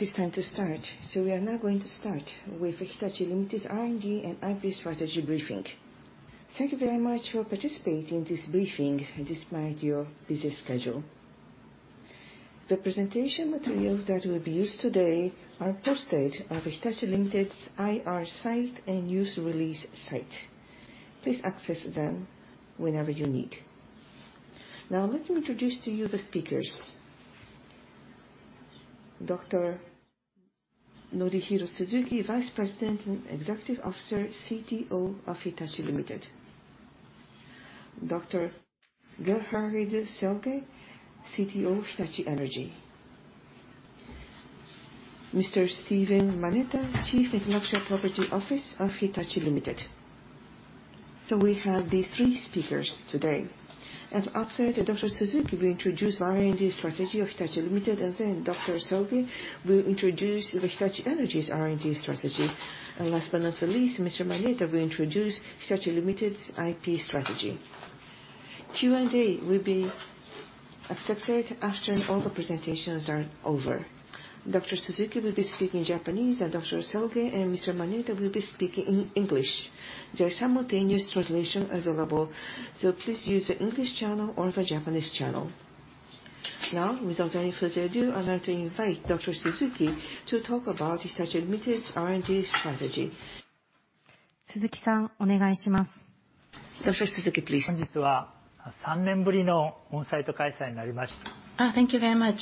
It is time to start, so we are now going to start with Hitachi, Ltd's R&D and IP Strategy briefing. Thank you very much for participating in this briefing despite your busy schedule. The presentation materials that will be used today are posted on Hitachi, Ltd's IR site and news release site. Please access them whenever you need. Let me introduce to you the speakers. Dr. Norihiro Suzuki, Vice President and Executive Officer, CTO of Hitachi, Ltd Dr. Gerhard Salge, CTO of Hitachi Energy. Mr. Stephen Manetta, Chief Intellectual Property Officer of Hitachi, Ltd We have these three speakers today. After Dr. Suzuki will introduce R&D strategy of Hitachi, Ltd, and then Dr. Salge will introduce the Hitachi Energy's R&D strategy. Last but not least, Mr. Manetta will introduce Hitachi, Ltd's IP strategy. Q&A will be accepted after all the presentations are over. Suzuki will be speaking Japanese, and Dr. Salge and Mr. Manetta will be speaking in English. There are simultaneous translation available, so please use the English channel or the Japanese channel. Without any further ado, I'd like to invite Dr. Suzuki to talk about Hitachi, Ltd's R&D strategy. Suzuki-san, Dr. Suzuki, please. Thank you very much.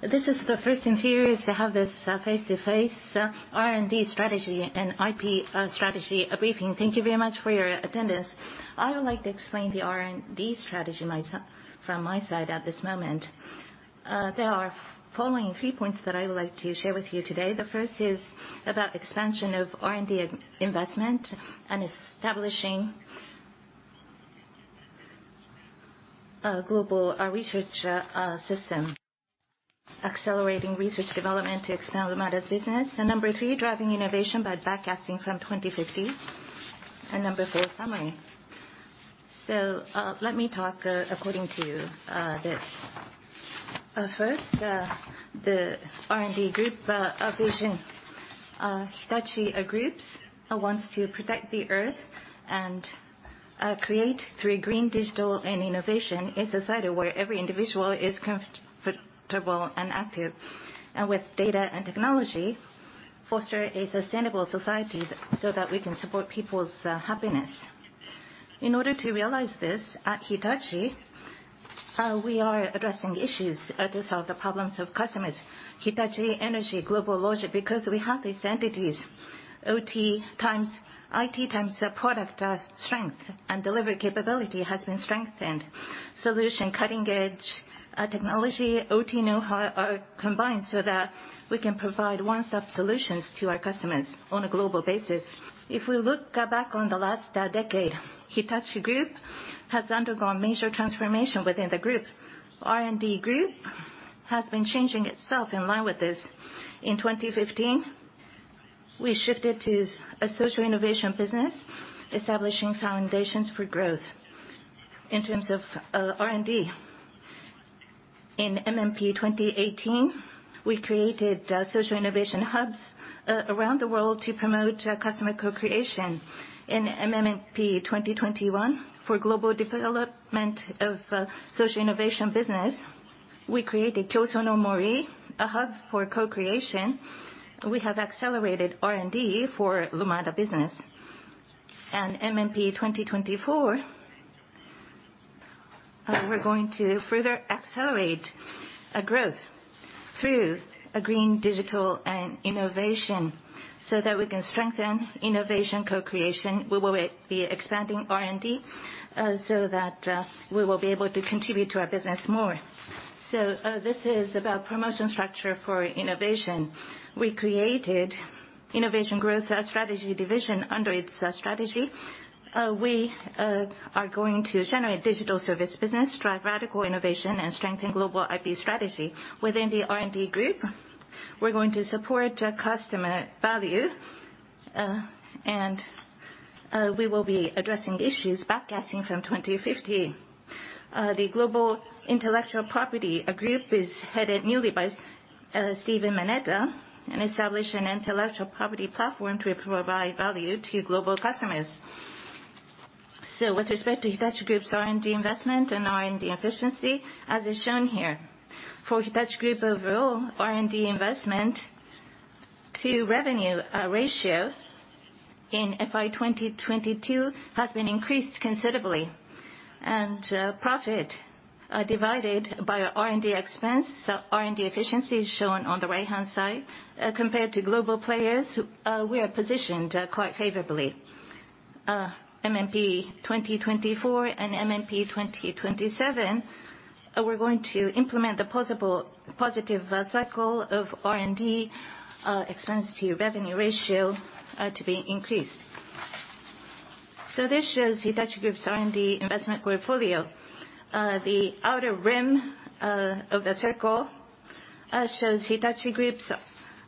This is the first in series to have this face-to-face R&D strategy and IP strategy briefing. Thank you very much for your attendance. I would like to explain the R&D strategy from my side at this moment. There are following three points that I would like to share with you today. The first is about expansion of R&D investment and establishing global research system. Accelerating research development to expand Lumada's business. Number three, driving innovation by backcasting from 2050. Number four, summary. Let me talk according to this. First, the R&D group vision. Hitachi Group wants to protect the Earth and create through green, digital, and innovation, a society where every individual is comfortable and active, with data and technology, foster a sustainable society so that we can support people's happiness. In order to realize this at Hitachi, we are addressing issues to solve the problems of customers. Hitachi Energy, GlobalLogic, because we have these entities, OT x IT x product strength and delivery capability has been strengthened. Solution, cutting-edge technology, OT know-how are combined so that we can provide one-stop solutions to our customers on a global basis. If we look back on the last decade, Hitachi Group has undergone major transformation within the group. R&D Group has been changing itself in line with this. In 2015+, we shifted to a Social Innovation Business, establishing foundations for growth in terms of R&D. In MMP 2018, we created social innovation hubs around the world to promote customer co-creation. In MMP 2021, for global development of Social Innovation Business, we created Kyōsō-no-Mori, a hub for co-creation. We have accelerated R&D for Lumada business. MMP 2024, we're going to further accelerate growth through green, digital, and innovation so that we can strengthen innovation, co-creation- we will be expanding R&D so that we will be able to contribute to our business more. This is about promotion structure for innovation. We created Innovation Growth Strategy Division. Under its strategy, we are going to generate digital service business, drive radical innovation, and strengthen global IP strategy. Within the R&D group, we're going to support customer value, and we will be addressing issues backcasting from 2050. The Global Intellectual Property Group is headed newly by Stephen Manetta and establish an intellectual property platform to provide value to global customers, with respect to Hitachi Group's R&D investment and R&D efficiency, as is shown here. For Hitachi Group overall, R&D investment to revenue ratio in FY 2022 has been increased considerably. Profit divided by R&D expense, so R&D efficiency is shown on the right-hand side. Compared to global players, we are positioned quite favorably. MMP 2024 and MMP 2027, we're going to implement the possible positive cycle of R&D expense to revenue ratio to be increased. This shows Hitachi Group's R&D investment portfolio. The outer rim of the circle shows Hitachi Group's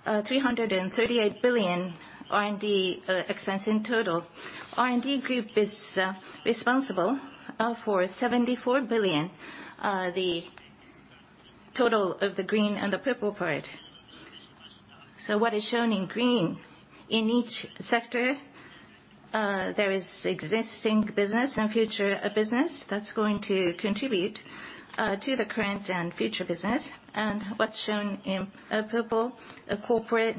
338 billion R&D expense in total. R&D Group is responsible for 74 billion, the total of the green and the purple part. What is shown in green, in each sector, there is existing business and future business that's going to contribute to the current and future business. What's shown in purple, a corporate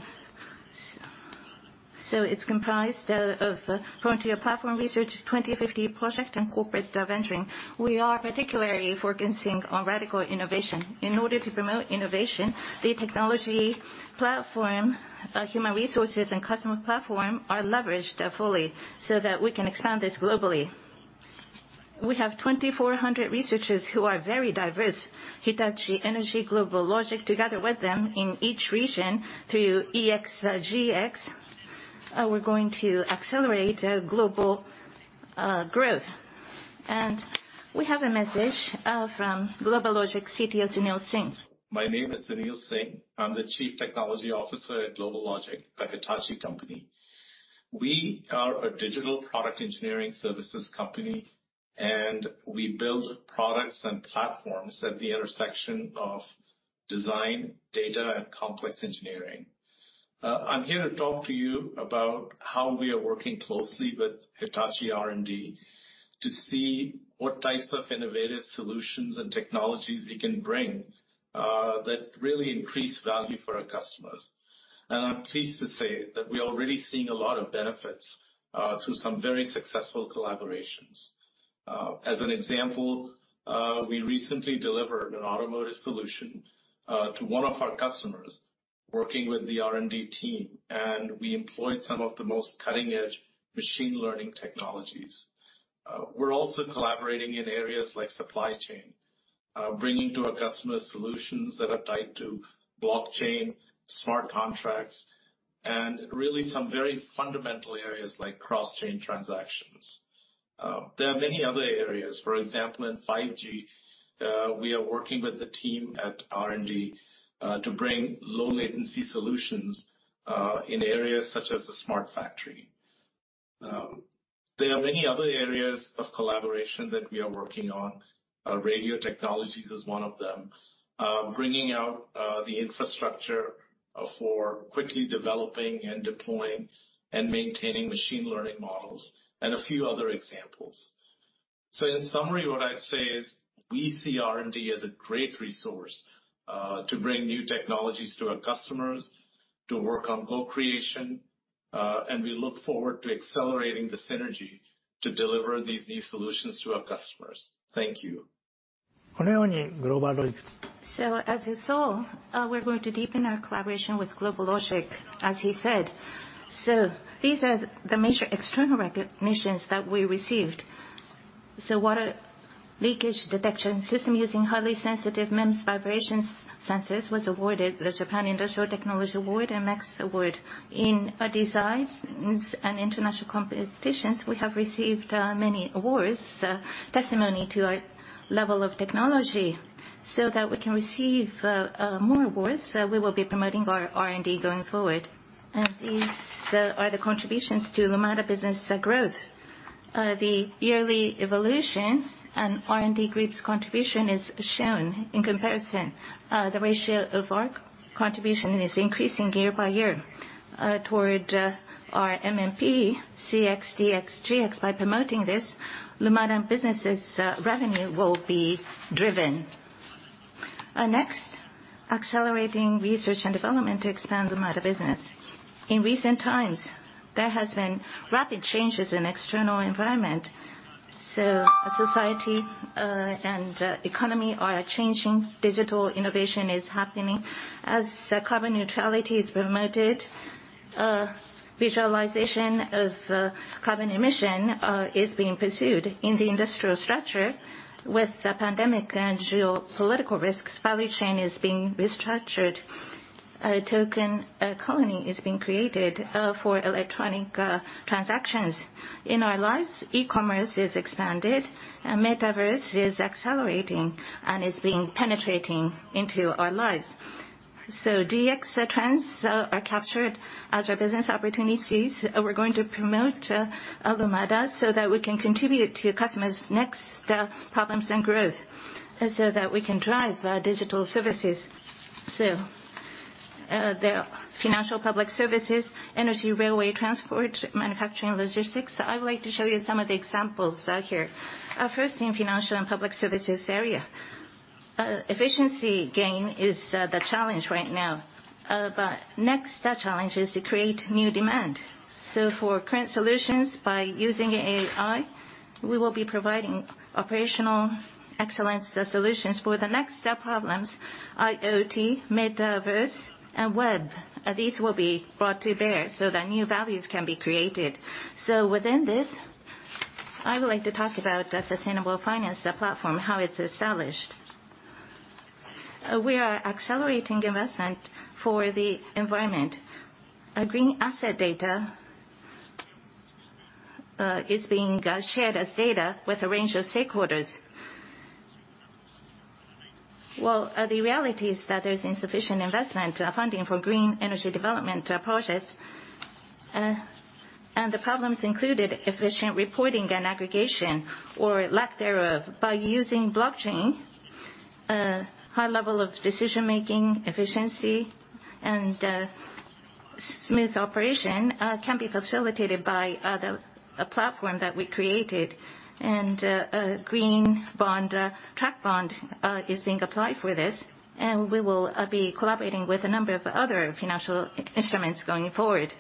so it's comprised of Hitachi Group Frontier/Platform Research, 2050 project, and corporate venturing. We are particularly focusing on radical innovation, in order to promote innovation, the technology platform, human resources, and customer platform are leveraged fully so that we can expand this globally. We have 2,400 researchers who are very diverse. Hitachi Energy, GlobalLogic, together with them in each region through ExgX, we're going to accelerate global growth. We have a message from GlobalLogic CTO Sunil Singh. My name is Sunil Singh. I'm the Chief Technology Officer at GlobalLogic, a Hitachi company. We are a digital product engineering services company. We build products and platforms at the intersection of design, data, and complex engineering. I'm here to talk to you about how we are working closely with Hitachi R&D to see what types of innovative solutions and technologies we can bring that really increase value for our customers. I'm pleased to say that we are already seeing a lot of benefits through some very successful collaborations. As an example, we recently delivered an automotive solution to one of our customers working with the R&D team. We employed some of the most cutting-edge machine learning technologies. We're also collaborating in areas like supply chain, bringing to our customers solutions that are tied to blockchain, smart contracts, and really some very fundamental areas like cross-chain transactions. There are many other areas. For example, in 5G, we are working with the team at R&D, to bring low latency solutions, in areas such as the smart factory. There are many other areas of collaboration that we are working on. Radio technologies is one of them. Bringing out the infrastructure for quickly developing and deploying and maintaining machine learning models, and a few other examples. In summary, what I'd say is we see R&D as a great resource, to bring new technologies to our customers, to work on co-creation, and we look forward to accelerating the synergy to deliver these new solutions to our customers. Thank you. As you saw, we're going to deepen our collaboration with GlobalLogic, as he said. These are the major external recognitions that we received. Water leakage detection system using highly sensitive MEMS vibrations sensors was awarded the Japan Industrial Technology Award and MAX Award. In designs and international competitions, we have received many awards, testimony to our level of technology, so that we can receive more awards, we will be promoting our R&D going forward. These are the contributions to Lumada business growth. The yearly evolution and R&D group's contribution is shown in comparison. The ratio of our contribution is increasing year-by-year, toward our MMP, CX, DX, GX. By promoting this, Lumada business' revenue will be driven. Next, accelerating R&D to expand Lumada business. In recent times, there has been rapid changes in external environment. Society, and economy are changing. Digital innovation is happening. As carbon neutrality is promoted, visualization of carbon emission is being pursued. In the industrial structure with the pandemic and geopolitical risks, value chain is being restructured. A token economy is being created for electronic transactions. In our lives, e-commerce is expanded, and metaverse is accelerating and is being penetrating into our lives. DX trends are captured as our business opportunities. We're going to promote Lumada so that we can contribute to your customers' next problems and growth, and so that we can drive our digital services. The financial public services, energy, railway, transport, manufacturing, logistics. I would like to show you some of the examples here. First in financial and public services area. Efficiency gain is the challenge right now. Next challenge is to create new demand. For current solutions, by using AI, we will be providing operational excellence solutions. For the next step problems, IoT, metaverse, and web, these will be brought to bear so that new values can be created. Within this, I would like to talk about the sustainable finance platform, how it's established. We are accelerating investment for the environment. A green asset data is being shared as data with a range of stakeholders. Well, the reality is that there's insufficient investment funding for green energy development projects. The problems included efficient reporting and aggregation or lack thereof. By using blockchain, a high level of decision-making efficiency and smooth operation can be facilitated by the, a platform that we created. A green bond, track bond is being applied for this, and we will be collaborating with a number of other financial instruments going forward,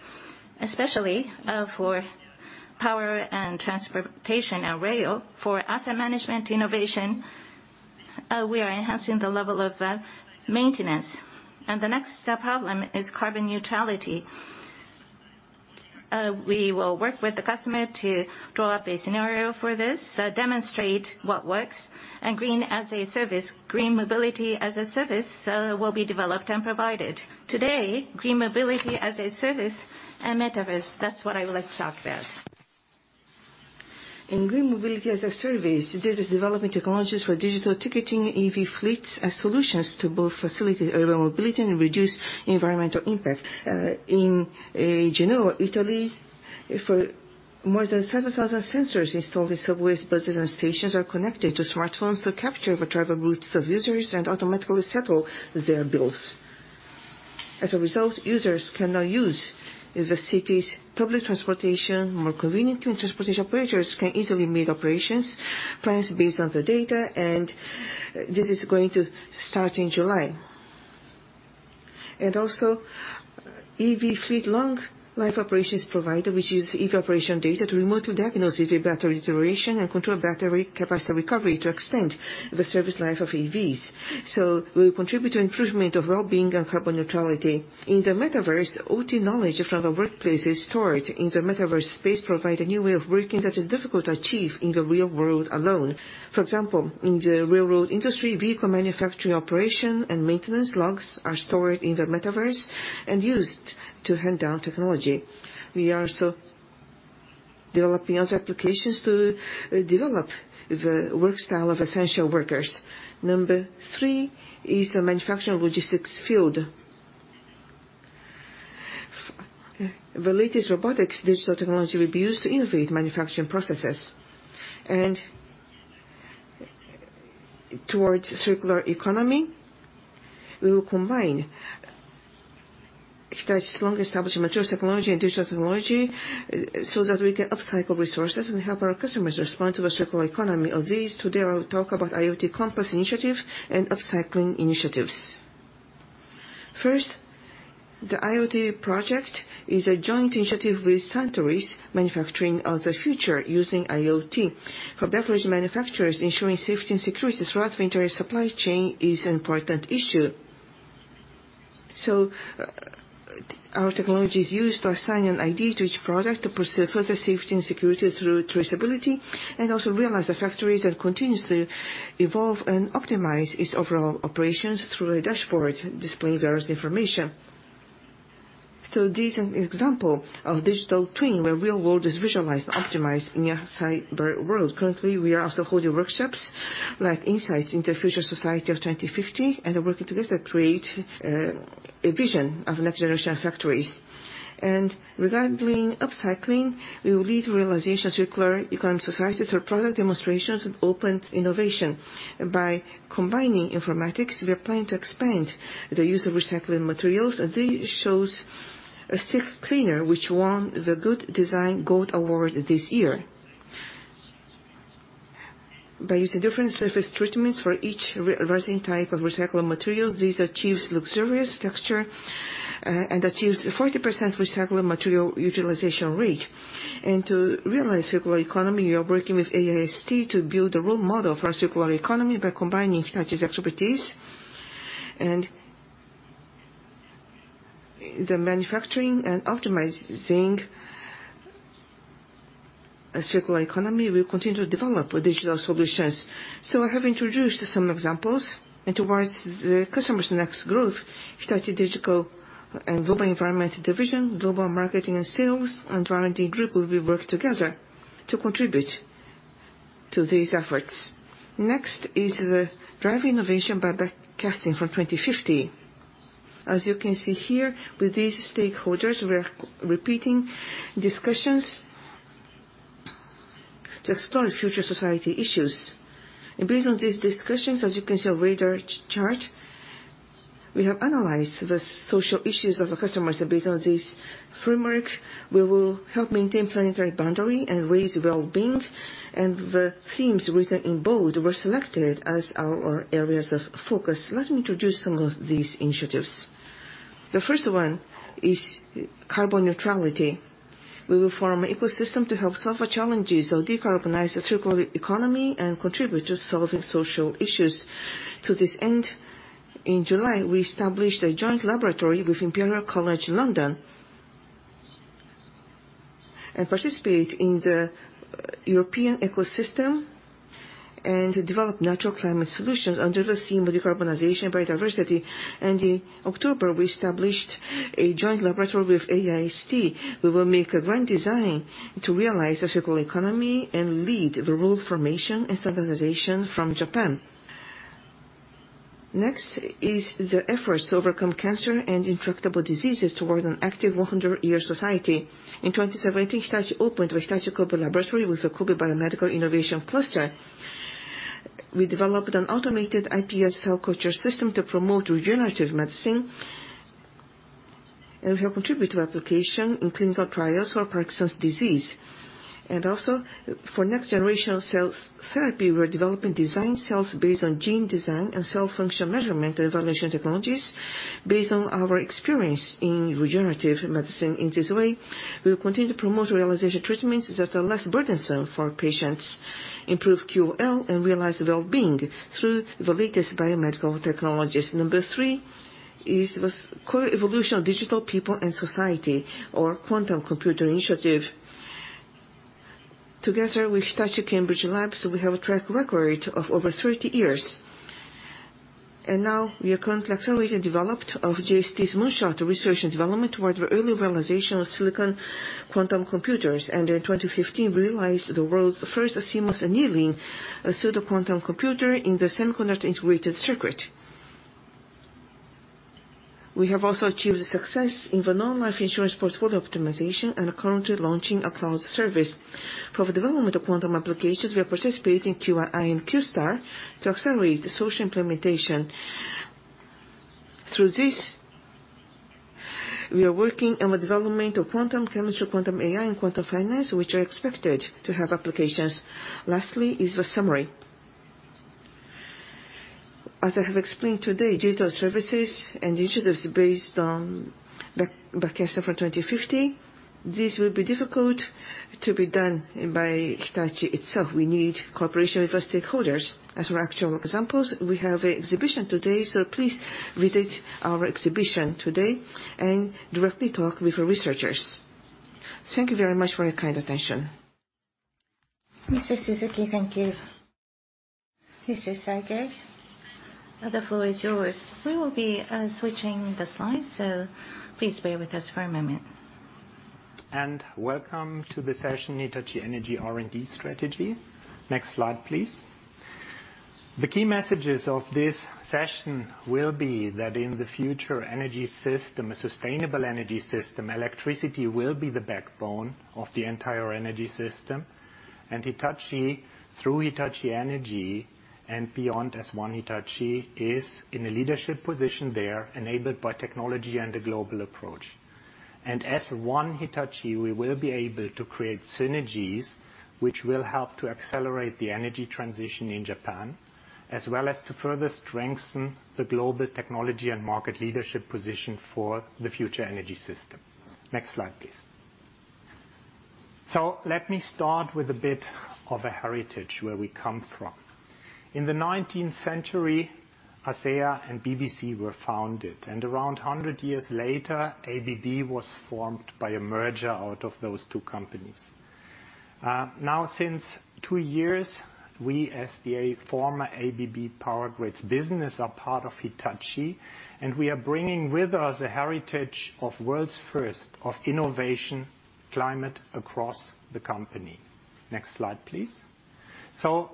especially for power and transportation and rail. For asset management innovation, we are enhancing the level of maintenance. The next problem is carbon neutrality. We will work with the customer to draw up a scenario for this, demonstrate what works, and green as a service, green mobility as a service will be developed and provided. Today, green mobility as a service and metaverse, that's what I would like to talk about. In green mobility as a service, this is developing technologies for digital ticketing EV fleets as solutions to both facilitate urban mobility and reduce environmental impact. In Genoa, Italy, for more than 7,000 sensors installed in subways, buses, and stations are connected to smartphones to capture the travel routes of users and automatically settle their bills. As a result, users can now use the city's public transportation more conveniently, and transportation operators can easily make operations, plans based on the data, and this is going to start in July. Also, EV fleet long life operations provider, which uses EV operation data to remotely diagnose EV battery duration and control battery capacity recovery to extend the service life of EVs. We contribute to improvement of wellbeing and carbon neutrality. In the metaverse, OT knowledge from the workplace is stored in the metaverse space provide a new way of working that is difficult to achieve in the real world alone. For example, in the railroad industry, vehicle manufacturing operation and maintenance logs are stored in the metaverse and used to hand down technology. We are also developing other applications to develop the work style of essential workers. Number three is the manufacturing logistics field, the latest robotics digital technology will be used to innovate manufacturing processes. Towards circular economy, we will combine Hitachi's long-established material technology and digital technology so that we can upcycle resources and help our customers respond to the circular economy. Of these, today I will talk about IoT complex initiative and upcycling initiatives. First, the IoT project is a joint initiative with Suntory's manufacturing of the future using IoT. For beverage manufacturers, ensuring safety and security throughout the entire supply chain is an important issue. Our technology is used to assign an ID to each product to pursue further safety and security through traceability, and also realize the factories that continuously evolve and optimize its overall operations through a dashboard displaying various information. This is an example of digital twin, where real world is visualized and optimized in a cyber world. Currently, we are also holding workshops like Insights into the Future Society of 2050, and working together to create a vision of next-generation factories. Regarding upcycling, we will lead the realization of circular economy societies through product demonstrations and open innovation. By combining informatics, we are planning to expand the use of recycling materials, and this shows a stick cleaner, which won the Good Design Gold Award this year. By using different surface treatments for each rising type of recycled materials, this achieves luxurious texture and achieves a 40% recycled material utilization rate. To realize circular economy, we are working with AIST to build a role model for our circular economy by combining Hitachi's expertise. The manufacturing and optimizing a circular economy, we continue to develop with digital solutions. I have introduced some examples. Towards the customer's next growth, Hitachi Digital and Global Environment Division, Global Marketing and Sales, and R&D Group will be working together to contribute to these efforts. Next is the drive innovation by backcasting from 2050. As you can see here, with these stakeholders, we are repeating discussions to explore future society issues. Based on these discussions, as you can see on radar chart, we have analyzed the social issues of our customers. Based on this framework, we will help maintain planetary boundary and raise wellbeing. The themes written in bold were selected as our areas of focus. Let me introduce some of these initiatives. The first one is carbon neutrality. We will form an ecosystem to help solve the challenges of decarbonizing the circular economy and contribute to solving social issues. To this end, in July, we established a joint laboratory with Imperial College London and participate in the European ecosystem and develop natural climate solutions under the theme of decarbonization and biodiversity. In October, we established a joint laboratory with AIST. We will make a grand design to realize the circular economy and lead the rule formation and standardization from Japan. Next is the efforts to overcome cancer and intractable diseases toward an active 100-year society. In 2017, Hitachi opened the Hitachi Kobe Laboratory with the Kobe Biomedical Innovation Cluster. We developed an automated iPS cell culture system to promote regenerative medicine, and we have contributed to application in clinical trials for Parkinson's disease. For next-generation cell therapy, we're developing design cells based on gene design and cell function measurement and evaluation technologies based on our experience in regenerative medicine. In this way, we will continue to promote realization of treatments that are less burdensome for patients, improve QOL, and realize wellbeing through the latest biomedical technologies. Number three is the co-evolution of digital people and society or quantum computer initiative. Together with Hitachi Cambridge Labs, we have a track record of over 30 years. Now we are currently accelerating development of JST's Moonshot Research and Development toward the early realization of silicon quantum computers. In 2015, realized the world's first CMOS annealing pseudo quantum computer in the semiconductor integrated circuit. We have also achieved success in the non-life insurance portfolio optimization and are currently launching a cloud service. For the development of quantum applications, we are participating in Q-I and Q-STAR to accelerate the social implementation. Through this, we are working on the development of quantum chemistry, quantum AI, and quantum finance, which are expected to have applications. Lastly is the summary. As I have explained today, digital services and initiatives based on the backcaster for 2050, this will be difficult to be done by Hitachi itself. We need cooperation with our stakeholders. As actual examples, we have an exhibition today, so please visit our exhibition today and directly talk with our researchers. Thank you very much for your kind attention. Mr. Suzuki, thank you. Mr. Salge, the floor is yours. We will be switching the slides, so please bear with us for a moment. Welcome to the session Hitachi Energy R&D Stratey. Next slide, please. The key messages of this session will be that in the future energy system, a sustainable energy system, electricity will be the backbone of the entire energy system. Hitachi, through Hitachi Energy and beyond as One Hitachi, is in a leadership position there enabled by technology and a global approach. As One Hitachi, we will be able to create synergies which will help to accelerate the energy transition in Japan, as well as to further strengthen the global technology and market leadership position for the future energy system. Next slide, please. Let me start with a bit of a heritage where we come from. In the 19th century, ASEA and BBC were founded, and around 100 years later, ABB was formed by a merger out of those two companies. Now since two years, we as the former ABB Power Grids business are part of Hitachi, and we are bringing with us a heritage of world's first of innovation climate across the company. Next slide, please.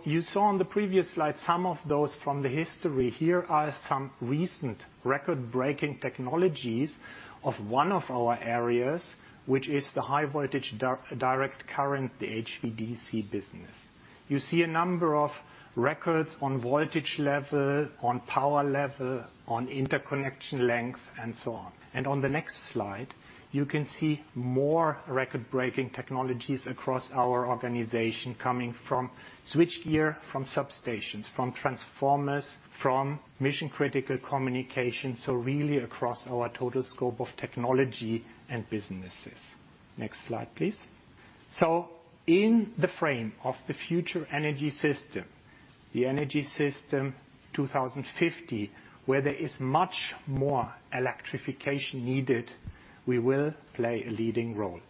You saw on the previous slide some of those from the history. Here are some recent record-breaking technologies of one of our areas, which is the high voltage direct current, the HVDC business. You see a number of records on voltage level, on power level, on interconnection length, and so on. On the next slide, you can see more record-breaking technologies across our organization coming from switchgear, from substations, from transformers, from mission-critical communication, so really across our total scope of technology and businesses. Next slide, please. In the frame of the future energy system, the energy system 2050, where there is much more electrification needed, we will play a leading role.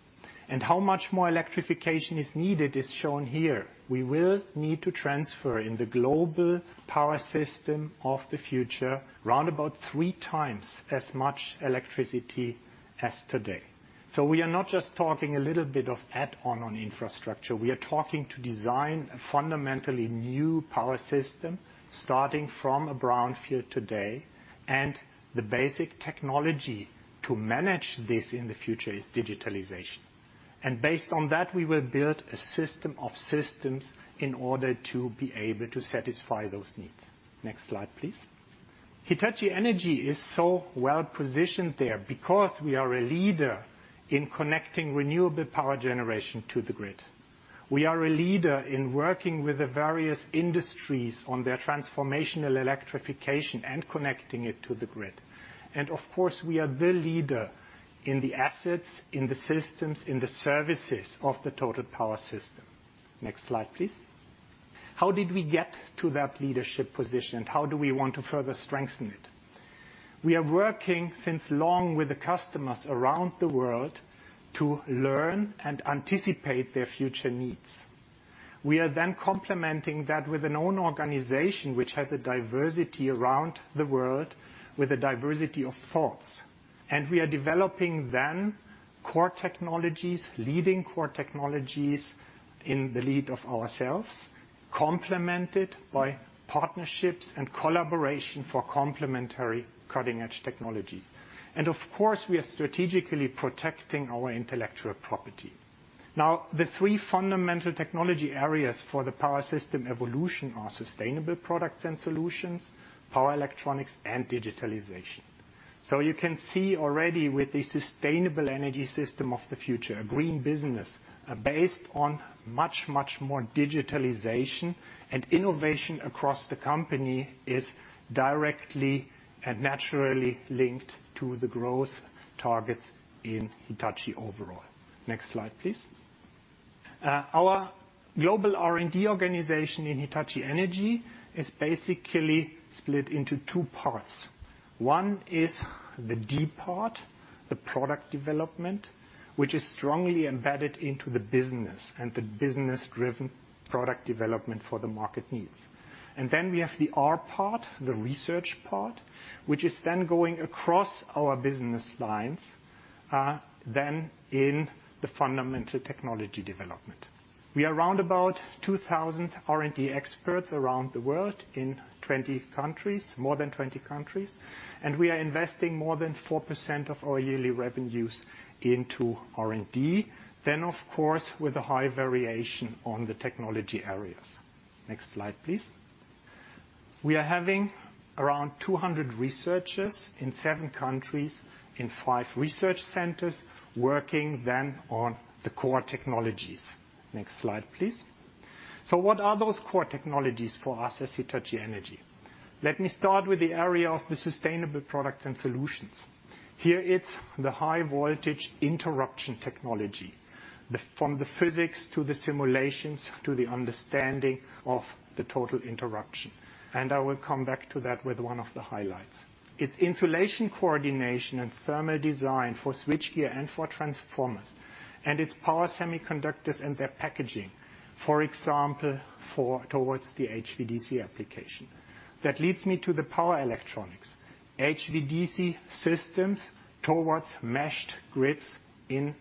How much more electrification is needed is shown here. We will need to transfer in the global power system of the future round about three times as much electricity as today. We are not just talking a little bit of add-on on infrastructure. We are talking to design a fundamentally new power system starting from a brownfield today, and the basic technology to manage this in the future is Digitalization. Based on that, we will build a system of systems in order to be able to satisfy those needs. Next slide, please. Hitachi Energy is so well-positioned there because we are a leader in connecting renewable power generation to the grid. We are a leader in working with the various industries on their transformational electrification and connecting it to the grid. Of course, we are the leader in the assets, in the systems, in the services of the total power system. Next slide, please. How did we get to that leadership position? How do we want to further strengthen it? We are working since long with the customers around the world to learn and anticipate their future needs. We are then complementing that with an own organization which has a diversity around the world with a diversity of thoughts. We are developing then core technologies, leading core technologies in the lead of ourselves, complemented by partnerships and collaboration for complementary cutting-edge technologies. Of course, we are strategically protecting our intellectual property. The three fundamental technology areas for the power system evolution are sustainable products and solutions, power electronics, and Digitalization. You can see already with the sustainable energy system of the future, a green business based on much, much more Digitalization and innovation across the company is directly and naturally linked to the growth targets in Hitachi overall. Next slide, please. Our global R&D organization in Hitachi Energy is basically split into two parts. One is the D-part, the product development, which is strongly embedded into the business and the business-driven product development for the market needs. We have the R-part, the research part, which is then going across our business lines, than in the fundamental technology development. We are round about 2,000 R&D experts around the world in 20 countries, more than 20 countries, and we are investing more than 4% of our yearly revenues into R&D, then of course, with a high variation on the technology areas. Next slide, please. We are having around 200 researchers in seven countries in five research centers working then on the core technologies. Next slide, please. What are those core technologies for us as Hitachi Energy? Let me start with the area of the sustainable products and solutions. Here it's the high voltage interruption technology, from the physics to the simulations to the understanding of the total interruption. I will come back to that with one of the highlights. It's insulation coordination and thermal design for switchgear and for transformers, and it's power semiconductors and their packaging, for example, for towards the HVDC application. That leads me to the power electronics. HVDC systems towards meshed grids in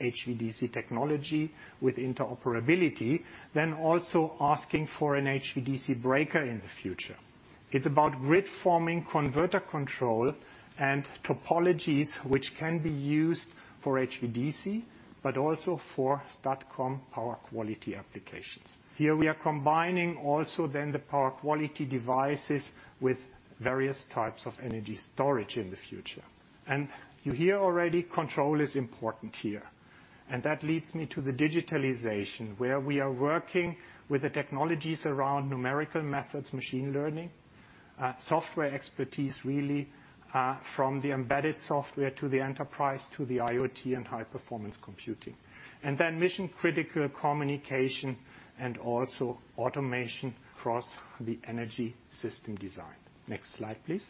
HVDC technology with interoperability, also asking for an HVDC breaker in the future. It's about grid forming converter control and topologies which can be used for HVDC, but also for STATCOM power quality applications. Here we are combining also then the power quality devices with various types of energy storage in the future. You hear already control is important here. That leads me to the Digitalization, where we are working with the technologies around numerical methods, machine learning, software expertise, really, from the embedded software to the enterprise, to the IoT and high-performance computing, and then mission-critical communication and also automation across the energy system design. Next slide, please.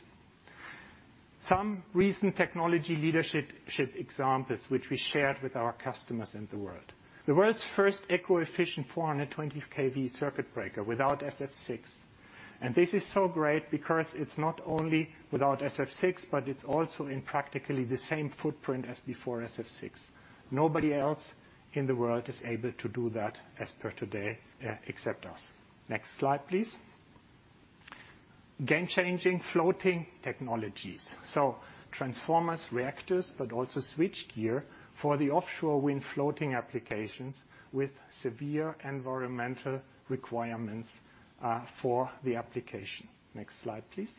Some recent technology leadership ship examples which we shared with our customers in the world. The world's first eco-efficient 420 kV circuit breaker without SF₆. This is so great because it's not only without SF₆, but it's also in practically the same footprint as before SF₆. Nobody else in the world is able to do that as per today, except us. Next slide, please. Game-changing floating technologies. Transformers, reactors, but also switchgear for the offshore wind floating applications with severe environmental requirements for the application. Next slide, please.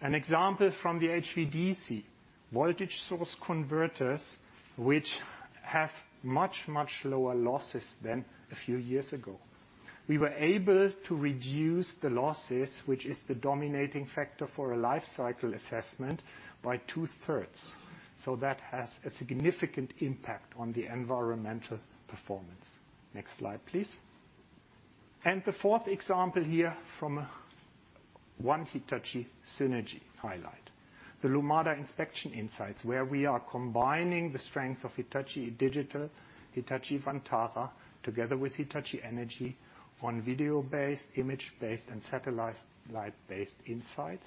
An example from the HVDC voltage source converters, which have much, much lower losses than a few years ago. We were able to reduce the losses, which is the dominating factor for a life cycle assessment by two-thirds. That has a significant impact on the environmental performance. Next slide, please. The fourth example here from One Hitachi synergy highlight. The Lumada Inspection Insights, where we are combining the strengths of Hitachi Digital, Hitachi Vantara, together with Hitachi Energy on video-based, image-based, and satellite-based insights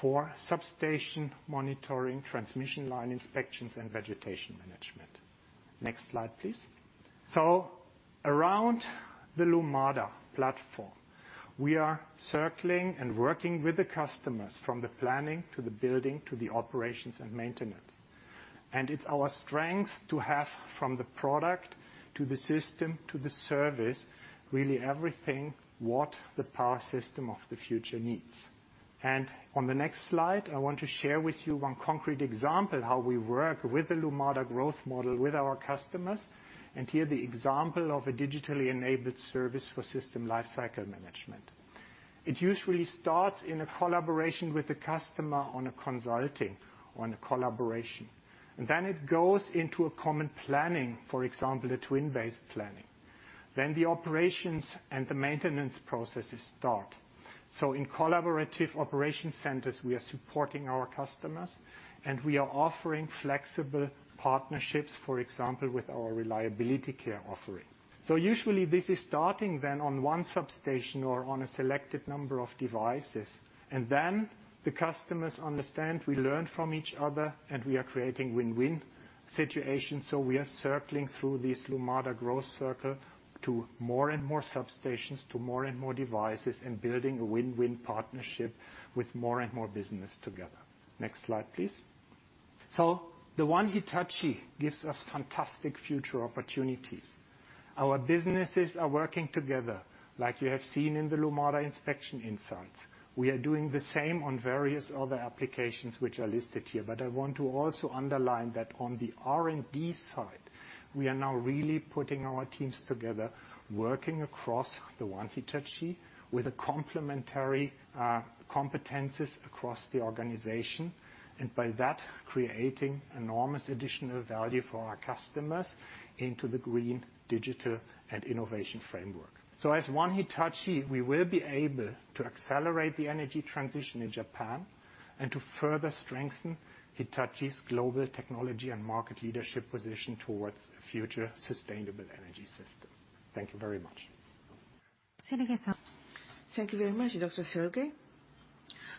for substation monitoring, transmission line inspections, and Vegetation Management. Next slide, please. Around the Lumada platform, we are circling and working with the customers from the planning to the building to the operations and maintenance. It's our strength to have from the product to the system to the service, really everything what the power system of the future needs. On the next slide, I want to share with you one concrete example how we work with the Lumada growth model with our customers. Here the example of a digitally-enabled service for system lifecycle management. It usually starts in a collaboration with the customer on a consulting, on a collaboration. It goes into a common planning, for example, a twin-based planning. Then the operations and the maintenance processes start. In collaborative operation centers, we are supporting our customers, and we are offering flexible partnerships, for example, with our reliability care offering. Usually this is starting then on one substation or on a selected number of devices. The customers understand we learn from each other, and we are creating win-win situations. We are circling through this Lumada growth circle to more and more substations, to more and more devices, and building a win-win partnership with more and more business together. Next slide, please. The One Hitachi gives us fantastic future opportunities. Our businesses are working together like you have seen in the Lumada Inspection Insights. We are doing the same on various other applications which are listed here. I want to also underline that on the R&D side, we are now really putting our teams together, working across the One Hitachi with a complementary competencies across the organization, and by that, creating enormous additional value for our customers into the green, digital, and innovation framework. As One Hitachi, we will be able to accelerate the energy transition in Japan and to further strengthen Hitachi's global technology and market leadership position towards a future sustainable energy system. Thank you very much. Thank you very much, Dr. Salge.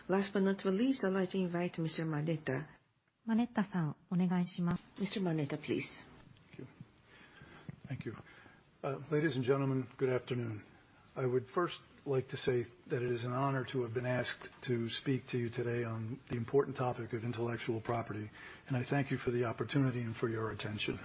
Last but not least, I'd like to invite Mr. Manetta. Mr. Manetta, please. Thank you. Thank you. Ladies and gentlemen, good afternoon. I would first like to say that it is an honor to have been asked to speak to you today on the important topic of intellectual property, and I thank you for the opportunity and for your attention.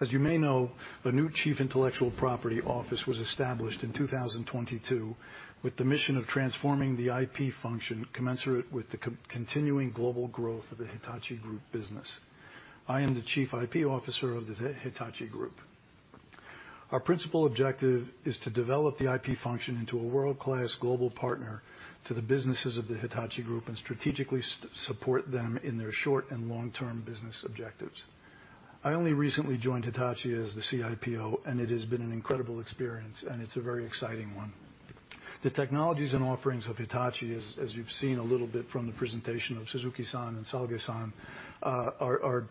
As you may know, the new Chief Intellectual Property Office was established in 2022 with the mission of transforming the IP function commensurate with the continuing global growth of the Hitachi Group business. I am the Chief IP Officer of the Hitachi Group. Our principal objective is to develop the IP function into a world-class global partner to the businesses of the Hitachi Group and strategically support them in their short and long-term business objectives. I only recently joined Hitachi as the CIPO, and it has been an incredible experience, and it's a very exciting one. The technologies and offerings of Hitachi, as you've seen a little bit from the presentation of Suzuki-san and Salge-san, are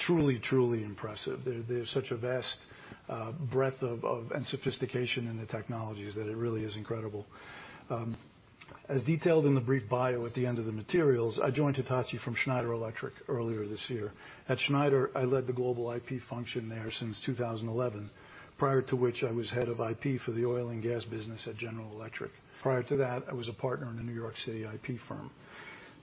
truly impressive. There's such a vast breadth of and sophistication in the technologies that it really is incredible. As detailed in the brief bio at the end of the materials, I joined Hitachi from Schneider Electric earlier this year. At Schneider, I led the global IP function there since 2011, prior to which I was head of IP for the oil and gas business at General Electric. Prior to that, I was a partner in a New York City IP firm.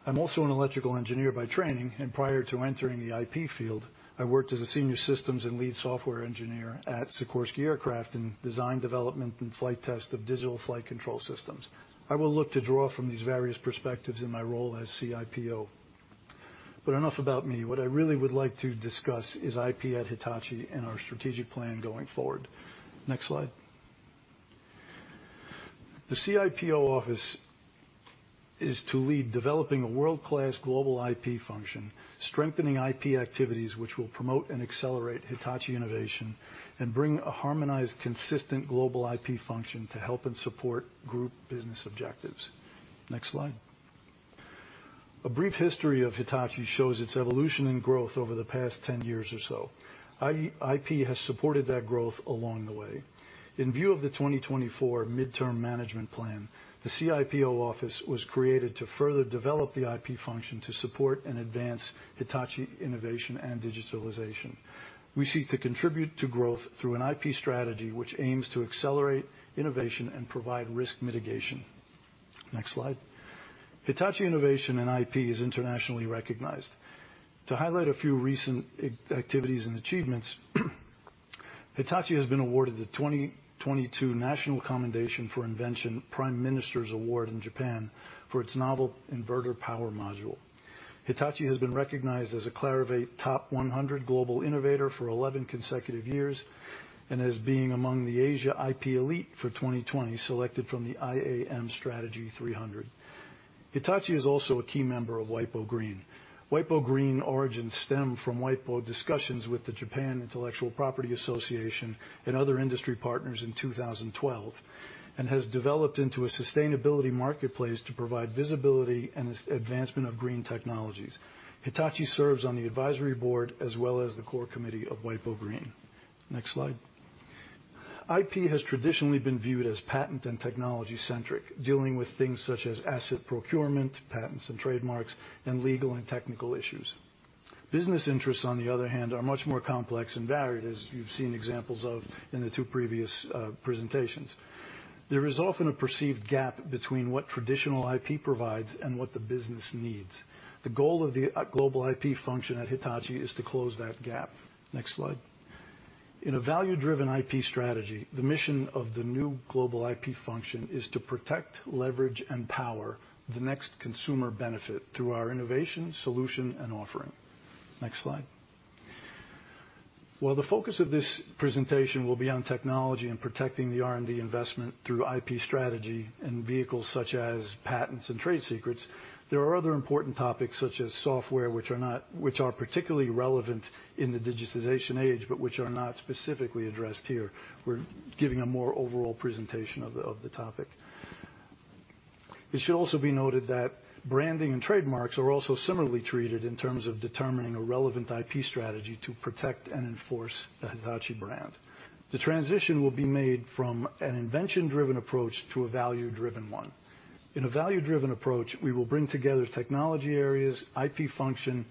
I'm also an electrical engineer by training, and prior to entering the IP field, I worked as a senior systems and lead software engineer at Sikorsky Aircraft in design, development, and flight test of digital flight control systems. I will look to draw from these various perspectives in my role as CIPO. Enough about me. What I really would like to discuss is IP at Hitachi and our strategic plan going forward. Next slide. The CIPO office is to lead developing a world-class global IP function, strengthening IP activities which will promote and accelerate Hitachi innovation, and bring a harmonized, consistent global IP function to help and support group business objectives. Next slide. A brief history of Hitachi shows its evolution and growth over the past 10 years or so. IP has supported that growth along the way. In view of the 2024 Mid-term Management Plan, the CIPO office was created to further develop the IP function to support and advance Hitachi innovation and Digitalization. We seek to contribute to growth through an IP strategy which aims to accelerate innovation and provide risk mitigation. Next slide. Hitachi innovation and IP is internationally recognized. To highlight a few recent activities and achievements, Hitachi has been awarded the 2022 National Commendation for Invention Prime Minister's Award in Japan for its novel inverter power module. Hitachi has been recognized as a Clarivate Top 100 Global Innovator for 11 consecutive years, as being among the Asia IP Elite for 2020, selected from the IAM Strategy 300. Hitachi is also a key member of WIPO GREEN. WIPO GREEN origins stem from WIPO discussions with the Japan Intellectual Property Association and other industry partners in 2012, has developed into a sustainability marketplace to provide visibility and advancement of green technologies. Hitachi serves on the advisory board as well as the core committee of WIPO GREEN. Next slide. IP has traditionally been viewed as patent and technology-centric, dealing with things such as asset procurement, patents and trademarks, and legal and technical issues. Business interests, on the other hand, are much more complex and varied, as you've seen examples of in the two previous presentations. There is often a perceived gap between what traditional IP provides and what the business needs. The goal of the Global IP function at Hitachi is to close that gap. Next slide. In a value-driven IP strategy, the mission of the new Global IP function is to protect, leverage, and power the next consumer benefit through our innovation, solution, and offering. Next slide. While the focus of this presentation will be on technology and protecting the R&D investment through IP strategy and vehicles such as patents and trade secrets, there are other important topics such as software, which are particularly relevant in the digitization age, but which are not specifically addressed here. We're giving a more overall presentation of the topic. It should also be noted that branding and trademarks are also similarly treated in terms of determining a relevant IP strategy to protect and enforce the Hitachi brand. The transition will be made from an invention-driven approach to a value-driven one. In a value-driven approach, we will bring together technology areas, IP function,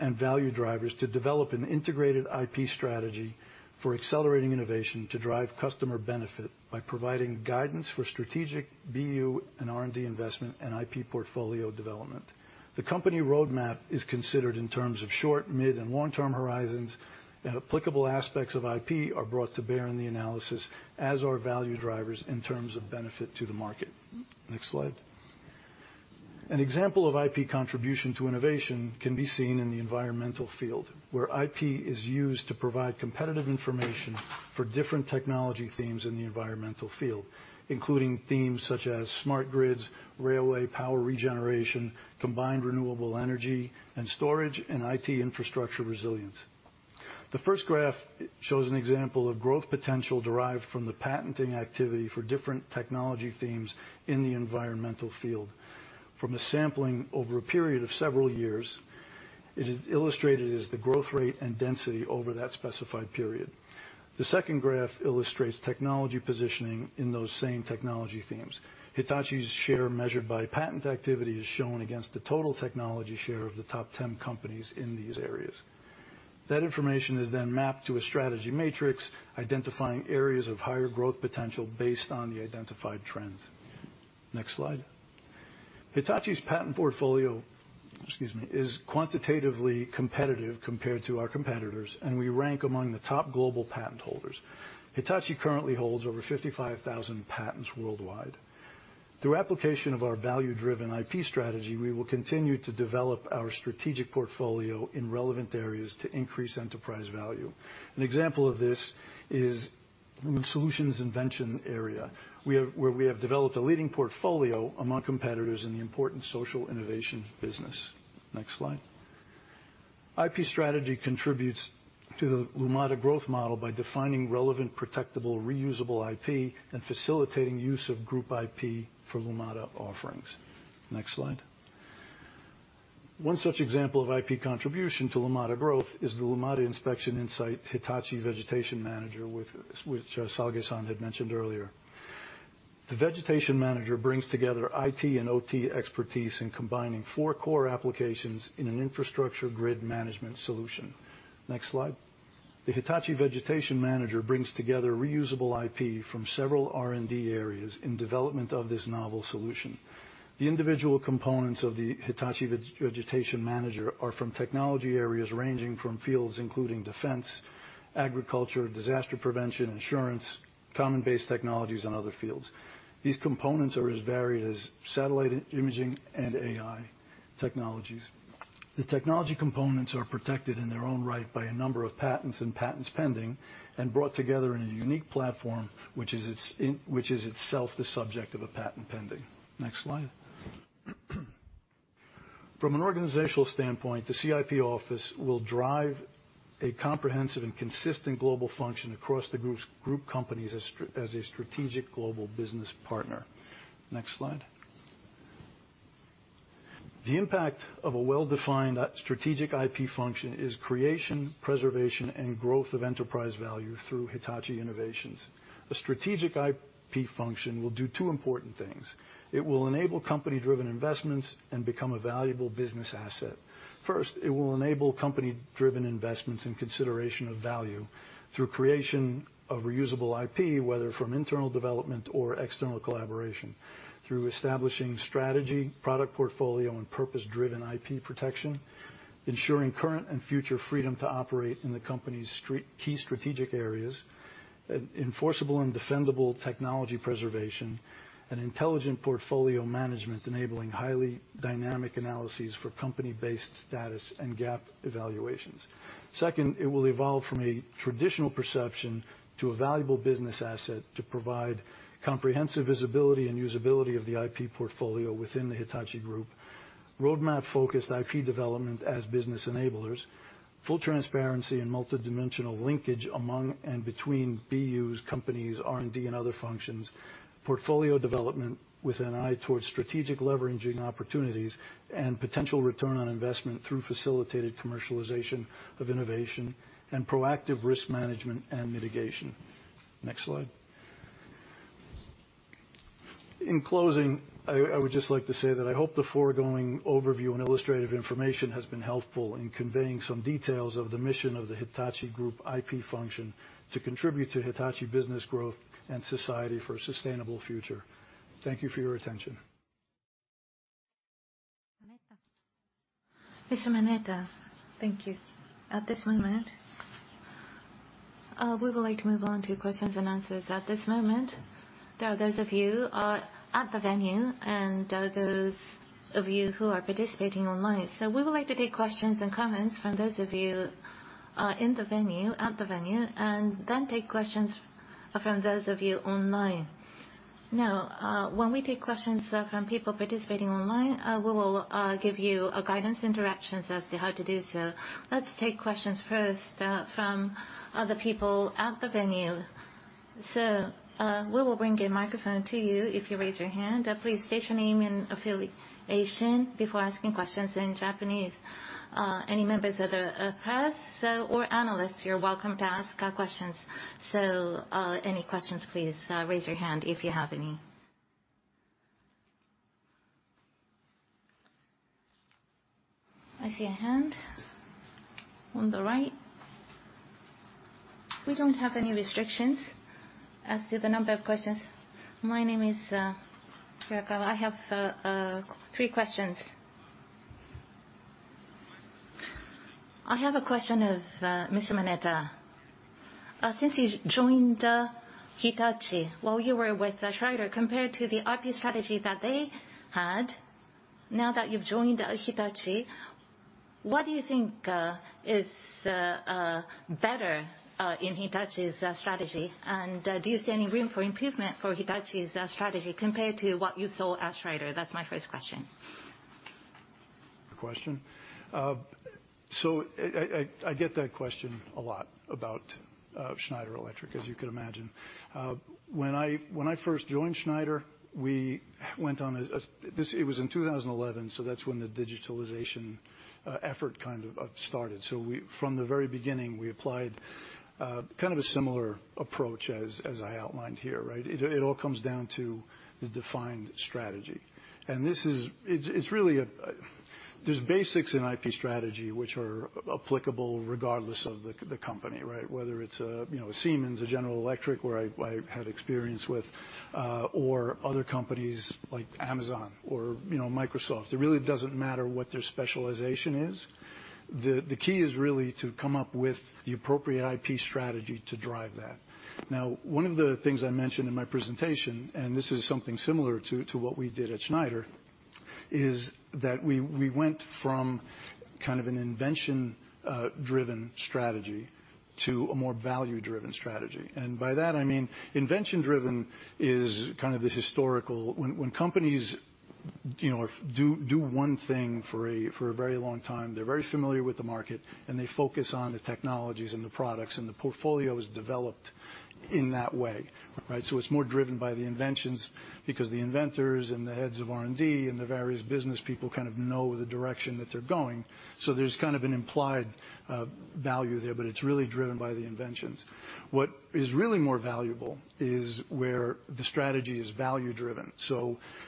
and value drivers to develop an integrated IP strategy for accelerating innovation to drive customer benefit by providing guidance for strategic BU and R&D investment and IP portfolio development. The company roadmap is considered in terms of short, mid, and long-term horizons, and applicable aspects of IP are brought to bear in the analysis, as are value drivers in terms of benefit to the market. Next slide. An example of IP contribution to innovation can be seen in the environmental field, where IP is used to provide competitive information for different technology themes in the environmental field, including themes such as smart grids, railway power regeneration, combined renewable energy and storage, and IT infrastructure resilience. The first graph shows an example of growth potential derived from the patenting activity for different technology themes in the environmental field. From a sampling over a period of several years, it is illustrated as the growth rate and density over that specified period. The second graph illustrates technology positioning in those same technology themes. Hitachi's share, measured by patent activity, is shown against the total technology share of the top 10 companies in these areas. That information is then mapped to a strategy matrix, identifying areas of higher growth potential based on the identified trends. Next slide. Hitachi's patent portfolio, excuse me, is quantitatively competitive compared to our competitors. We rank among the top global patent holders. Hitachi currently holds over 55,000 patents worldwide. Through application of our value-driven IP strategy, we will continue to develop our strategic portfolio in relevant areas to increase enterprise value. An example of this is Lumada solutions invention area, where we have developed a leading portfolio among competitors in the important Social Innovation Business. Next slide. IP strategy contributes to the Lumada growth model by defining relevant, protectable, reusable IP and facilitating use of group IP for Lumada offerings. Next slide. One such example of IP contribution to Lumada growth is the Lumada Inspection Insight Hitachi Vegetation Manager, which Salge-san had mentioned earlier. The Vegetation Manager brings together IT and OT expertise in combining four core applications in an infrastructure grid management solution. Next slide. The Hitachi Vegetation Manager brings together reusable IP from several R&D areas in development of this novel solution. The individual components of the Hitachi Vegetation Manager are from technology areas ranging from fields including defense, agriculture, disaster prevention, insurance, common-based technologies, and other fields. These components are as varied as satellite imaging and AI technologies. The technology components are protected in their own right by a number of patents and patents pending and brought together in a unique platform, which is itself the subject of a patent pending. Next slide. From an organizational standpoint, the CIP office will drive a comprehensive and consistent global function across the groups, group companies as a strategic global business partner. Next slide. The impact of a well-defined strategic IP function is creation, preservation, and growth of enterprise value through Hitachi innovations. A strategic IP function will do two important things. It will enable company-driven investments and become a valuable business asset. First, it will enable company-driven investments in consideration of value through creation of reusable IP, whether from internal development or external collaboration, through establishing strategy, product portfolio, and purpose-driven IP protection, ensuring current and future freedom to operate in the company's key strategic areas, enforceable and defendable technology preservation, and intelligent portfolio management enabling highly dynamic analyses for company-based status and gap evaluations. Second, it will evolve from a traditional perception to a valuable business asset to provide comprehensive visibility and usability of the IP portfolio within the Hitachi Group, roadmap-focused IP development as business enablers, full transparency and multidimensional linkage among and between BUs, companies, R&D, and other functions, portfolio development with an eye towards strategic leveraging opportunities, and potential return on investment through facilitated commercialization of innovation, and proactive risk management and mitigation. Next slide. In closing, I would just like to say that I hope the foregoing overview and illustrative information has been helpful in conveying some details of the mission of the Hitachi Group IP function to contribute to Hitachi business growth and society for a sustainable future. Thank you for your attention. Thank you. At this moment, we would like to move on to Q&A. At this moment, there are those of you at the venue and those of you who are participating online. We would like to take questions and comments from those of you at the venue and then take questions from those of you online. When we take questions from people participating online, we will give you a guidance interactions as to how to do so. Let's take questions first from the people at the venue. We will bring a microphone to you if you raise your hand. Please state your name and affiliation before asking questions in Japanese. Any members of the press or analysts, you're welcome to ask questions. Any questions, please, raise your hand if you have any. I see a hand on the right. We don't have any restrictions as to the number of questions. My name is Ryakawa. I have three questions. I have a question of Mr. Manetta. Since you joined Hitachi while you were with Schneider, compared to the IP strategy that they had, now that you've joined Hitachi, what do you think is better in Hitachi's strategy? Do you see any room for improvement for Hitachi's strategy compared to what you saw at Schneider? That's my first question. Good question. I get that question a lot about Schneider Electric, as you can imagine. When I first joined Schneider, it was in 2011, so that's when the Digitalization effort kind of started. From the very beginning, we applied kind of a similar approach as I outlined here, right? It all comes down to the defined strategy. There's basics in IP strategy which are applicable regardless of the company, right? Whether it's a, you know, a Siemens, a General Electric, where I had experience with, or other companies like Amazon or, you know, Microsoft. It really doesn't matter what their specialization is. The key is really to come up with the appropriate IP strategy to drive that. One of the things I mentioned in my presentation, and this is something similar to what we did at Schneider, is that we went from kind of an invention-driven strategy to a more value-driven strategy. By that, I mean invention-driven is kind of the historical. When companies, you know, do one thing for a very long time, they're very familiar with the market, and they focus on the technologies and the products, and the portfolio is developed in that way, right? It's more driven by the inventions because the inventors and the heads of R&D and the various business people kind of know the direction that they're going. There's kind of an implied value there, but it's really driven by the inventions. What is really more valuable is where the strategy is value-driven.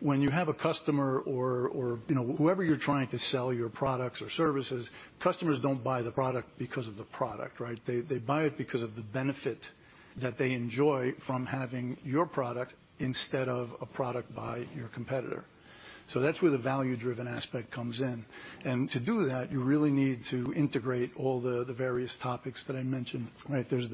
When you have a customer or, you know, whoever you're trying to sell your products or services, customers don't buy the product because of the product, right? They buy it because of the benefit that they enjoy from having your product instead of a product by your competitor. That's where the value-driven aspect comes in. To do that, you really need to integrate all the various topics that I mentioned, right? There's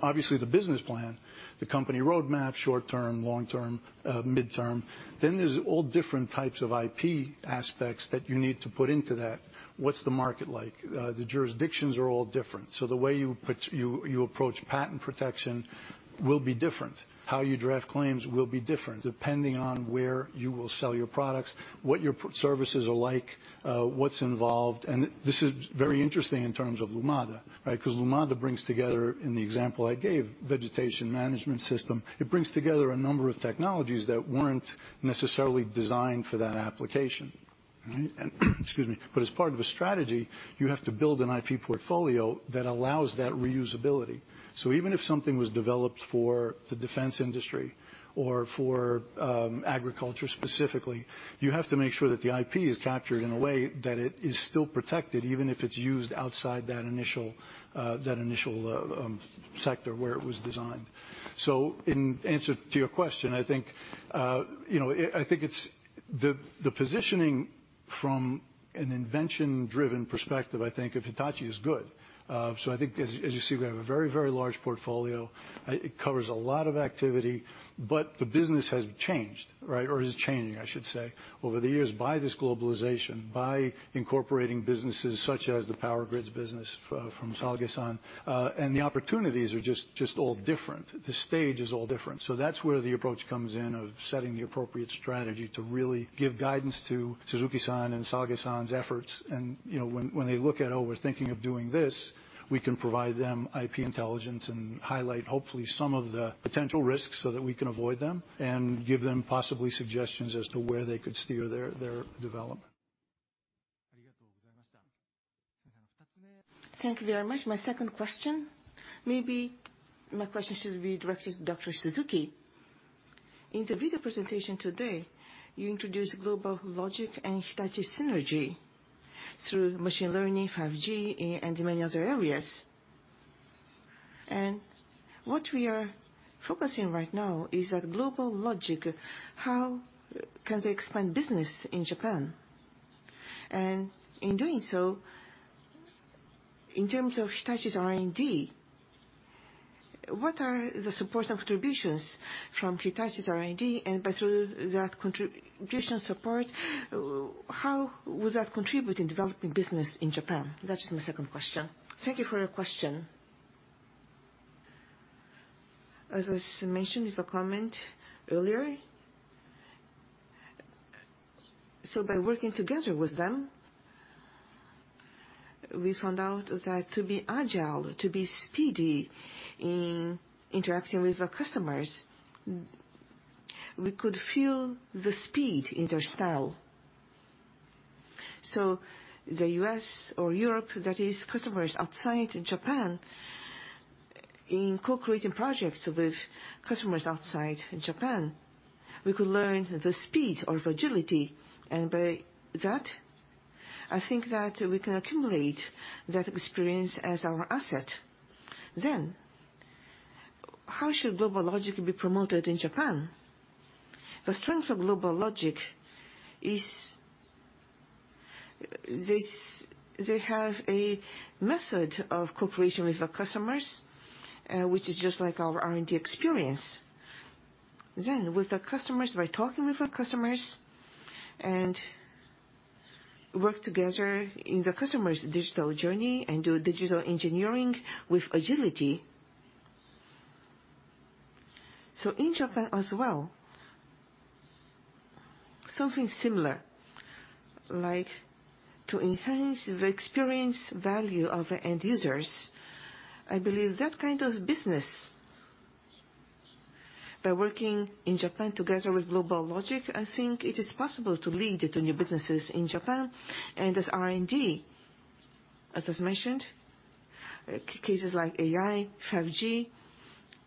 obviously the business plan, the company roadmap, short-term, long-term, midterm. There's all different types of IP aspects that you need to put into that. What's the market like? The jurisdictions are all different, the way you approach patent protection will be different. How you draft claims will be different depending on where you will sell your products, what your services are like, what's involved. This is very interesting in terms of Lumada, right? Because Lumada brings together, in the example I gave, Vegetation Management system. It brings together a number of technologies that weren't necessarily designed for that application. Right? Excuse me. As part of a strategy, you have to build an IP portfolio that allows that reusability. Even if something was developed for the defense industry or for agriculture specifically, you have to make sure that the IP is captured in a way that it is still protected, even if it's used outside that initial, that initial sector where it was designed. In answer to your question, I think, you know, I think it's the positioning from an invention-driven perspective, I think of Hitachi as good. I think as you see, we have a very, very large portfolio. It covers a lot of activity. The business has changed, right? Or is changing, I should say, over the years by this globalization, by incorporating businesses such as the power grids business from Sague San. The opportunities are just all different. The stage is all different. That's where the approach comes in of setting the appropriate strategy to really give guidance to Suzuki-san and Sague San's efforts. You know, when they look at, "Oh, we're thinking of doing this," we can provide them IP intelligence and highlight hopefully some of the potential risks so that we can avoid them and give them possibly suggestions as to where they could steer their development. Thank you very much. My second question, maybe my question should be directed to Dr. Suzuki. In the video presentation today, you introduced GlobalLogic and Hitachi Synergy through machine learning, 5G, and many other areas. What we are focusing right now is at GlobalLogic, how can they expand business in Japan? In doing so, in terms of Hitachi's R&D, what are the support and contributions from Hitachi's R&D? By through that contribution support, how would that contribute in developing business in Japan? That's my second question. Thank you for your question. As I mentioned in the comment earlier. By working together with them, we found out that to be agile, to be speedy in interacting with our customers, we could feel the speed in their style. The U.S. or Europe, that is customers outside Japan, in co-creating projects with customers outside Japan, we could learn the speed or agility. By that, I think that we can accumulate that experience as our asset. Then, how should GlobalLogic be promoted in Japan? The strength of GlobalLogic is this, they have a method of cooperation with our customers, which is just like our R&D experience. With the customers, by talking with our customers and work together in the customer's digital journey and do digital engineering with agility. In Japan as well, something similar, like to enhance the experience value of the end users. I believe that kind of business, by working in Japan together with GlobalLogic, I think it is possible to lead to new businesses in Japan. As R&D, as was mentioned, cases like AI, 5G,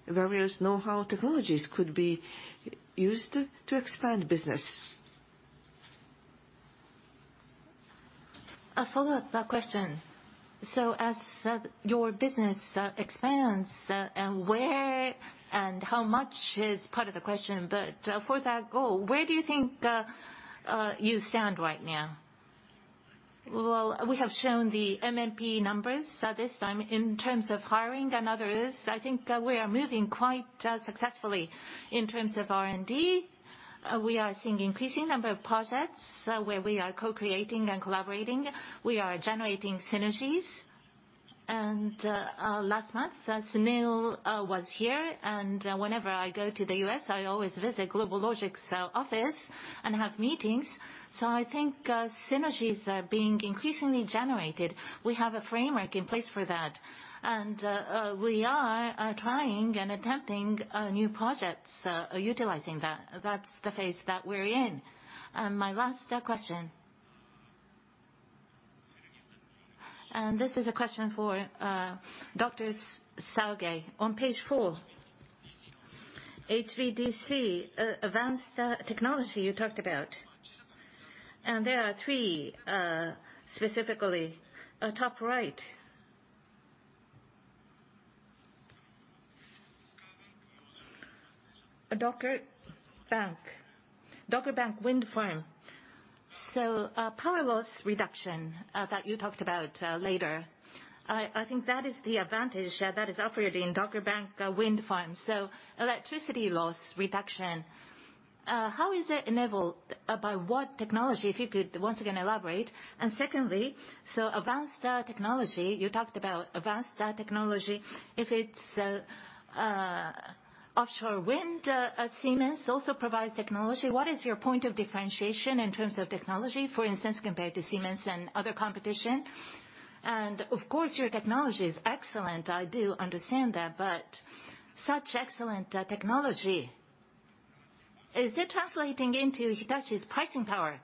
various know-how technologies could be used to expand business. A follow-up question. As your business expands, and where and how much is part of the question, but for that goal, where do you think you stand right now? Well, we have shown the MMP numbers this time in terms of hiring and others. I think, we are moving quite successfully in terms of R&D. We are seeing increasing number of projects where we are co-creating and collaborating. We are generating synergies. Last month, as Sunil was here, whenever I go to the U.S., I always visit GlobalLogic's office and have meetings. I think, synergies are being increasingly generated. We have a framework in place for that. We are trying and attempting new projects utilizing that. That's the phase that we're in. My last question. This is a question for Dr. Salge. On page four, HVDC advanced technology you talked about. There are three specifically top right. Dogger Bank Wind Farm. Power loss reduction that you talked about later, I think that is the advantage that is offered in Dogger Bank Wind Farm. Electricity loss reduction, how is it enabled? By what technology? If you could once again elaborate. Secondly, advanced technology you talked about. If it's offshore wind, Siemens also provides technology. What is your point of differentiation in terms of technology, for instance, compared to Siemens and other competition? Of course, your technology is excellent, I do understand that, but such excellent technology, is it translating into Hitachi's pricing power?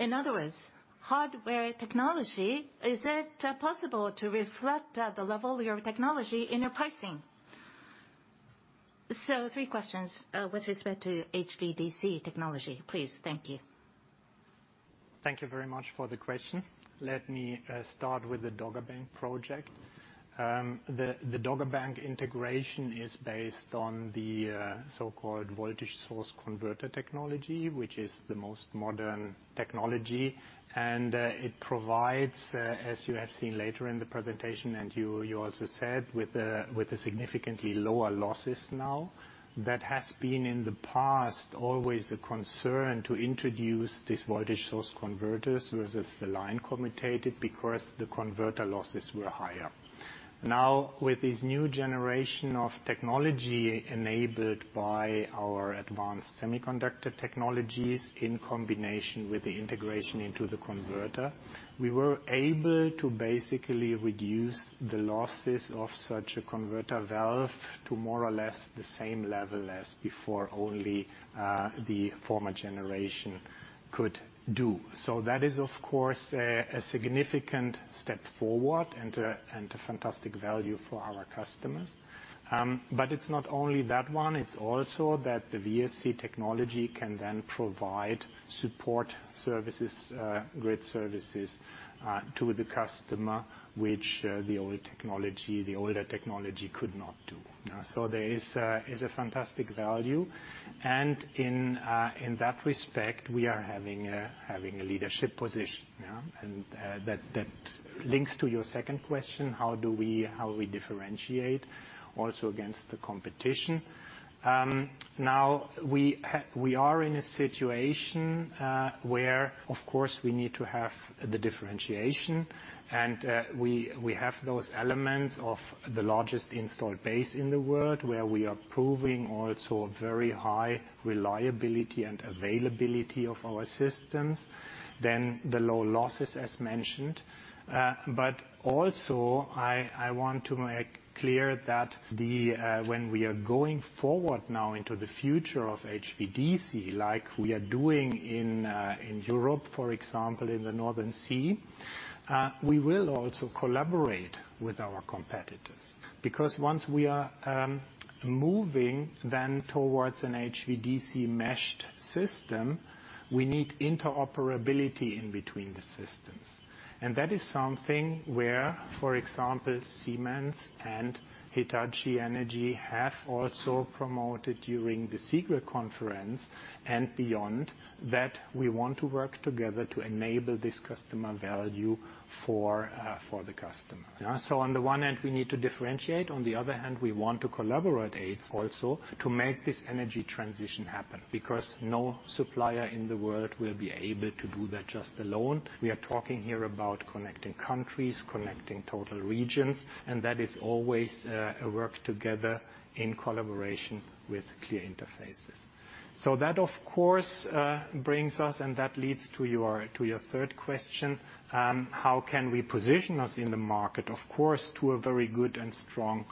In other words, hardware technology, is it possible to reflect the level of your technology in your pricing? Three questions with respect to HVDC technology, please. Thank you. Thank you very much for the question. Let me start with the Dogger Bank project. The Dogger Bank integration is based on the so-called Voltage Source Converter technology, which is the most modern technology. It provides, as you have seen later in the presentation, and you also said, with a significantly lower losses now. That has been in the past always a concern to introduce these Voltage Source Converters versus the line commutated because the converter losses were higher. With this new generation of technology enabled by our advanced semiconductor technologies in combination with the integration into the converter, we were able to basically reduce the losses of such a converter valve to more or less the same level as before only the former generation could do. That is, of course, a significant step forward and a fantastic value for our customers. It's not only that one, it's also that the VSC technology can then provide support services, grid services, to the customer, which the old technology, the older technology could not do. There is a fantastic value. In that respect, we are having a leadership position, yeah. That links to your second question, how do we, how we differentiate also against the competition. Now we are in a situation, where of course we need to have the differentiation. We have those elements of the largest installed base in the world, where we are proving also a very high reliability and availability of our systems, then the low losses, as mentioned. Also, I want to make clear that when we are going forward now into the future of HVDC, like we are doing in Europe, for example, in the North Sea, we will also collaborate with our competitors, because once we are moving then towards an HVDC meshed system, we need interoperability in between the systems. That is something where, for example, Siemens and Hitachi Energy have also promoted during the CIGRE conference and beyond, that we want to work together to enable this customer value for the customer. On the one end, we need to differentiate. On the other hand, we want to collaborate also to make this energy transition happen, because no supplier in the world will be able to do that just alone. We are talking here about connecting countries, connecting total regions, and that is always a work together in collaboration with clear interfaces. That, of course, brings us and that leads to your, to your third question, how can we position us in the market? Of course, to a very good and strong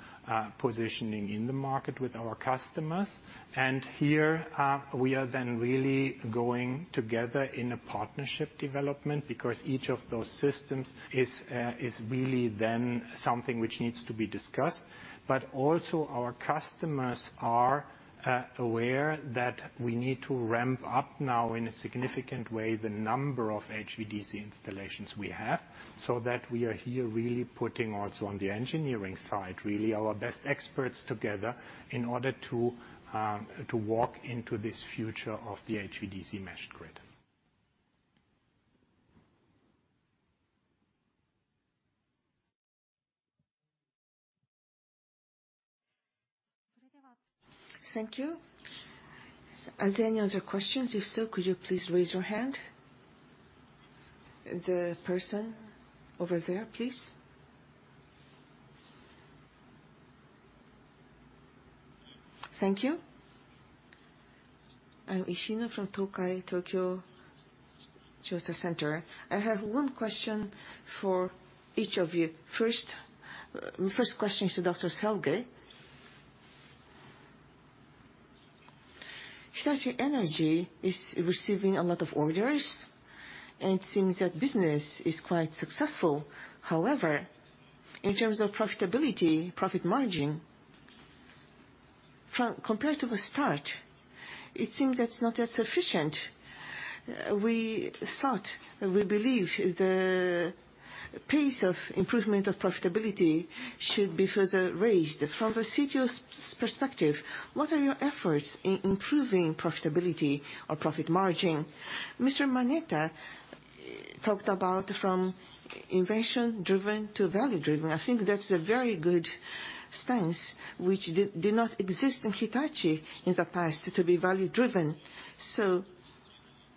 positioning in the market with our customers. Here, we are then really going together in a partnership development, because each of those systems is really then something which needs to be discussed. Also, our customers are aware that we need to ramp up now in a significant way the number of HVDC installations we have, so that we are here really putting also on the engineering side, really our best experts together in order to to walk into this future of the HVDC mesh grid. Thank you. Are there any other questions? If so, could you please raise your hand. The person over there, please. Thank you. I'm Ishina from Tokai Tokyo Research Center. I have one question for each of you. First question is to Dr. Salge. Hitachi Energy is receiving a lot of orders, and it seems that business is quite successful. In terms of profitability, profit margin, compared to the start, it seems that's not yet sufficient. We thought, we believe the pace of improvement of profitability should be further raised. From a CTO's perspective, what are your efforts in improving profitability or profit margin? Mr. Manetta talked about from invention-driven to value-driven. I think that's a very good stance, which did not exist in Hitachi in the past, to be value-driven.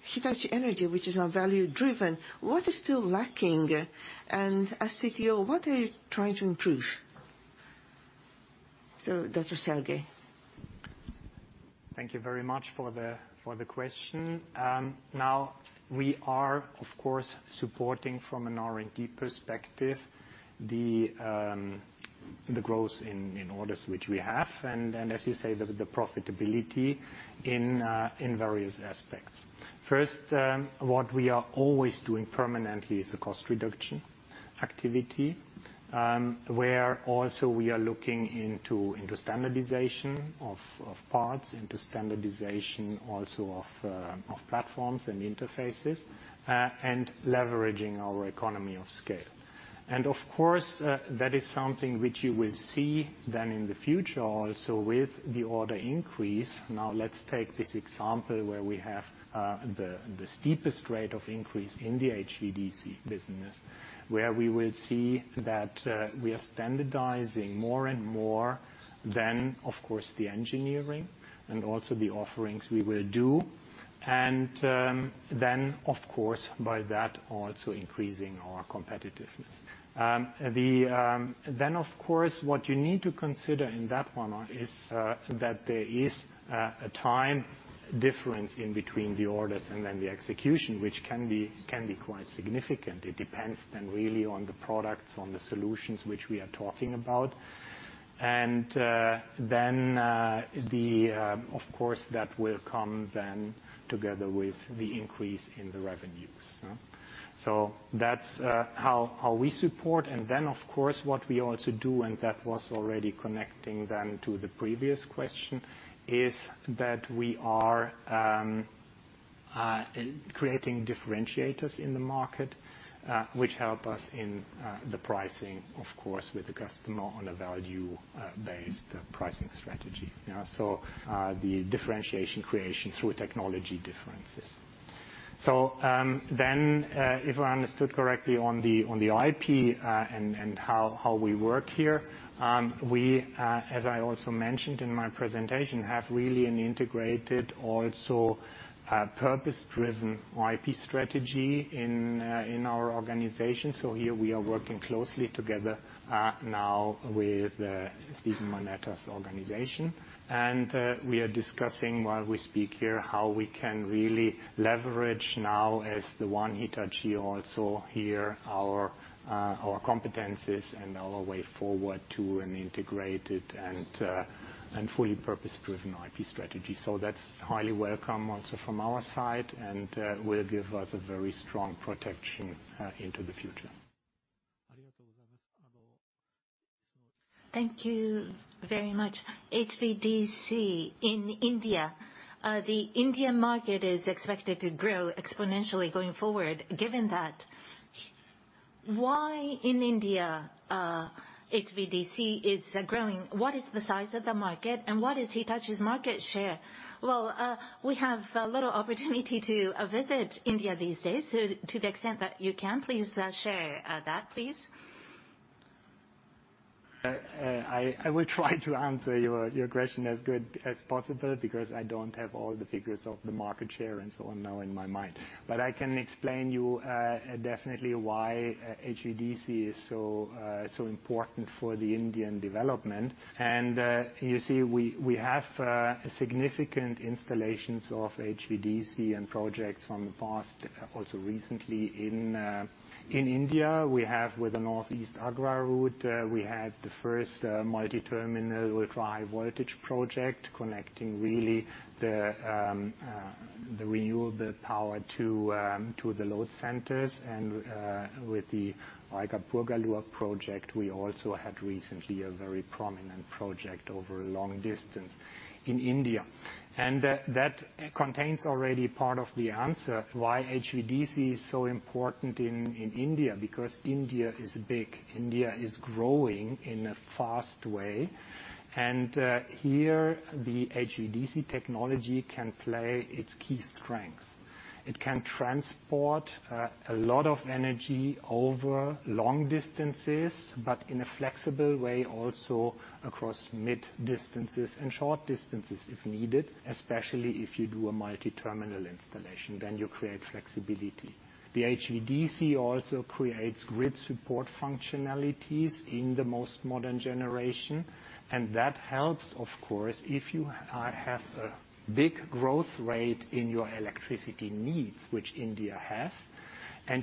Hitachi Energy, which is now value-driven, what is still lacking? As CTO, what are you trying to improve? Dr. Salge. Thank you very much for the question. Now we are, of course, supporting from an R&D perspective the growth in orders which we have, and as you say, the profitability in various aspects. First, what we are always doing permanently is the cost reduction activity, where also we are looking into standardization of parts, into standardization also of platforms and interfaces, and leveraging our economy of scale. Of course, that is something which you will see then in the future also with the order increase. Now, let's take this example where we have the steepest rate of increase in the HVDC business, where we will see that we are standardizing more and more than, of course, the engineering and also the offerings we will do, and then of course, by that, also increasing our competitiveness. Of course, what you need to consider in that one is that there is a time difference in between the orders and then the execution, which can be quite significant. It depends then really on the products, on the solutions which we are talking about. Of course, that will come then together with the increase in the revenues. That's how we support. Of course, what we also do, and that was already connecting then to the previous question, is that we are creating differentiators in the market, which help us in the pricing, of course, with the customer on a value based pricing strategy. The differentiation creation through technology differences. Then, if I understood correctly on the IP, and how we work here, we, as I also mentioned in my presentation, have really an integrated also, purpose-driven IP strategy in our organization. Here we are working closely together, now with Stephen Manetta's organization. We are discussing while we speak here how we can really leverage now as the One Hitachi also here our competencies and our way forward to an integrated and fully purpose-driven IP strategy. That's highly welcome also from our side and will give us a very strong protection into the future. Thank you very much. HVDC in India, the Indian market is expected to grow exponentially going forward. Given that, why in India, HVDC is growing? What is the size of the market and what is Hitachi's market share? Well, we have a little opportunity to visit India these days. To the extent that you can, please, share that please. I will try to answer your question as good as possible because I don't have all the figures of the market share and so on now in my mind. I can explain you definitely why HVDC is so important for the Indian development. You see, we have significant installations of HVDC and projects from the past, also recently in India. We have with the North-East Agra route, we had the first multi-terminal with high voltage project connecting really the renewable power to the load centers. With the Raigarh-Pugalur project, we also had recently a very prominent project over a long distance in India. That contains already part of the answer why HVDC is so important in India, because India is big. India is growing in a fast way. Here the HVDC technology can play its key strengths. It can transport a lot of energy over long distances, but in a flexible way also across mid distances and short distances if needed, especially if you do a multi-terminal installation, then you create flexibility. The HVDC also creates grid support functionalities in the most modern generation, and that helps of course if you have a big growth rate in your electricity needs, which India has.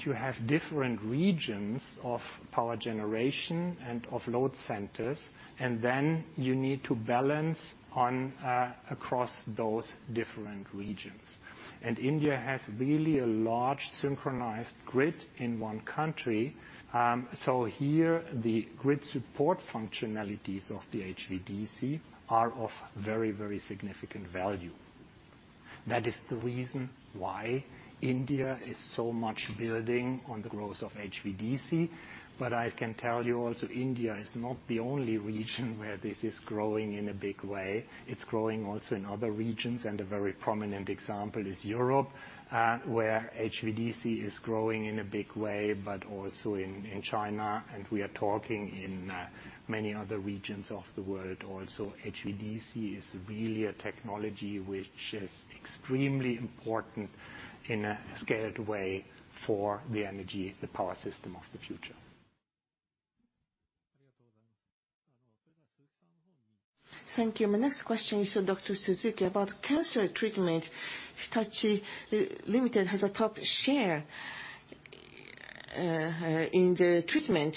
You have different regions of power generation and of load centers, and then you need to balance across those different regions. India has really a large synchronized grid in one country. Here the grid support functionalities of the HVDC are of very, very significant value. That is the reason why India is so much building on the growth of HVDC. I can tell you also India is not the only region where this is growing in a big way. It's growing also in other regions, and a very prominent example is Europe, where HVDC is growing in a big way, but also in China and we are talking in many other regions of the world also. HVDC is really a technology which is extremely important in a scaled way for the energy, the power system of the future. Thank you. My next question is to Dr. Suzuki about cancer treatment. Hitachi, Ltd has a top share in the treatment.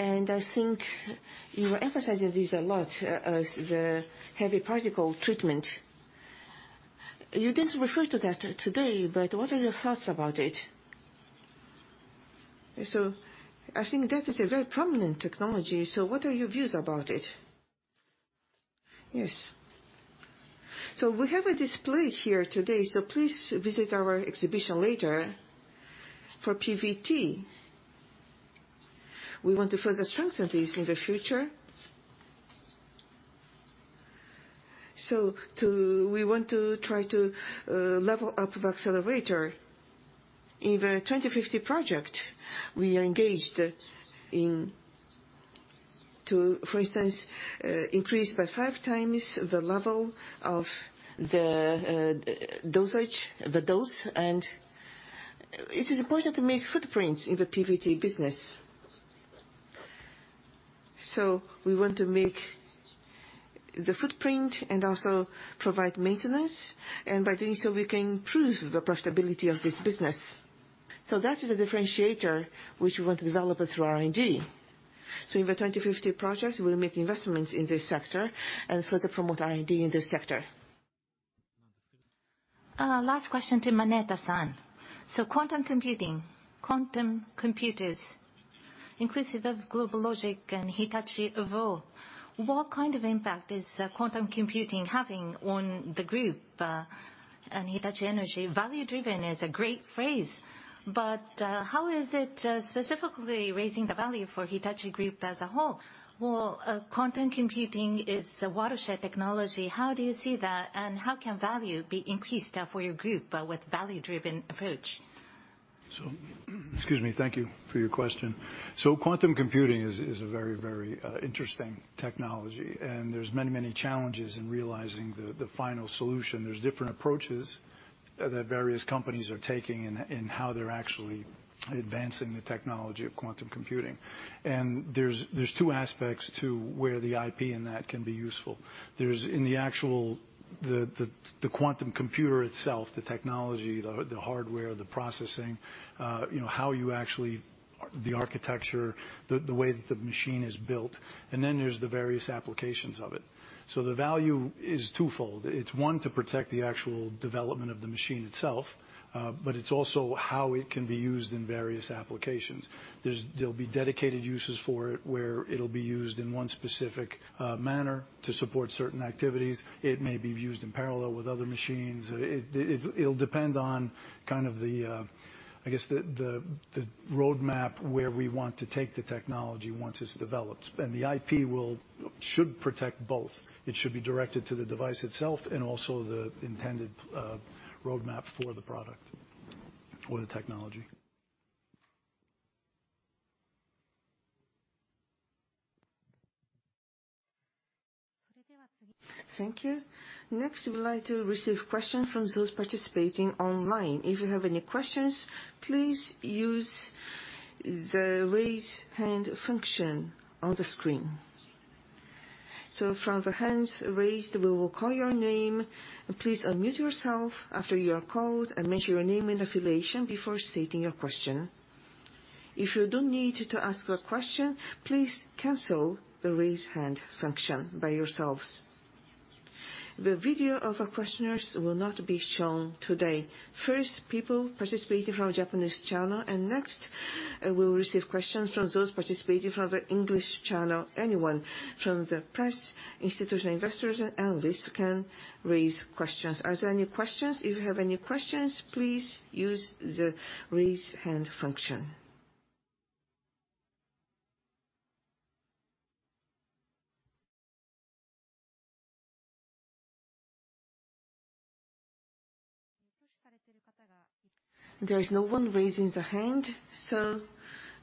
I think you were emphasizing this a lot as the heavy particle treatment. You didn't refer to that today, but what are your thoughts about it? I think that is a very prominent technology. What are your views about it? Yes. We have a display here today, please visit our exhibition later. For PBT, we want to further strengthen this in the future. We want to try to level up the accelerator. In the 2050 project, we are engaged in to, for instance, increase by 5 times the level of the dosage, the dose. It is important to make footprints in the PBT business. We want to make the footprint and also provide maintenance, and by doing so we can prove the profitability of this business. That is a differentiator which we want to develop through R&D. In the 2050 project, we'll make investments in this sector and further promote R&D in this sector. Last question to Manetta-san. Quantum computing, quantum computers inclusive of GlobalLogic and Hitachi Evo, what kind of impact is quantum computing having on the group and Hitachi Energy? Value driven is a great phrase, but how is it specifically raising the value for Hitachi Group as a whole? Well, quantum computing is a watershed technology. How do you see that, and how can value be increased for your group with value-driven approach? Excuse me. Thank you for your question. Quantum computing is a very, very interesting technology, and there's many, many challenges in realizing the final solution. There's different approaches that various companies are taking in how they're actually advancing the technology of quantum computing. There's two aspects to where the IP in that can be useful. There's in the actual the quantum computer itself, the technology, the hardware, the processing, you know. The architecture, the way that the machine is built, then there's the various applications of it. The value is twofold. It's one, to protect the actual development of the machine itself, but it's also how it can be used in various applications. There'll be dedicated uses for it, where it'll be used in one specific manner to support certain activities. It may be used in parallel with other machines. It'll depend on kind of the, I guess the roadmap where we want to take the technology once it's developed. The IP should protect both. It should be directed to the device itself and also the intended roadmap for the product or the technology. Thank you. Next, we'd like to receive questions from those participating online. If you have any questions, please use the Raise Hand function on the screen. From the hands raised, we will call your name. Please unmute yourself after you are called, and mention your name and affiliation before stating your question. If you don't need to ask a question, please cancel the Raise Hand function by yourselves. The video of our questioners will not be shown today. First, people participating from Japanese channel, and next, we'll receive questions from those participating from the English channel. Anyone from the press, institutional investors, and analysts can raise questions. Are there any questions? If you have any questions, please use the Raise Hand function. There is no one raising their hand, so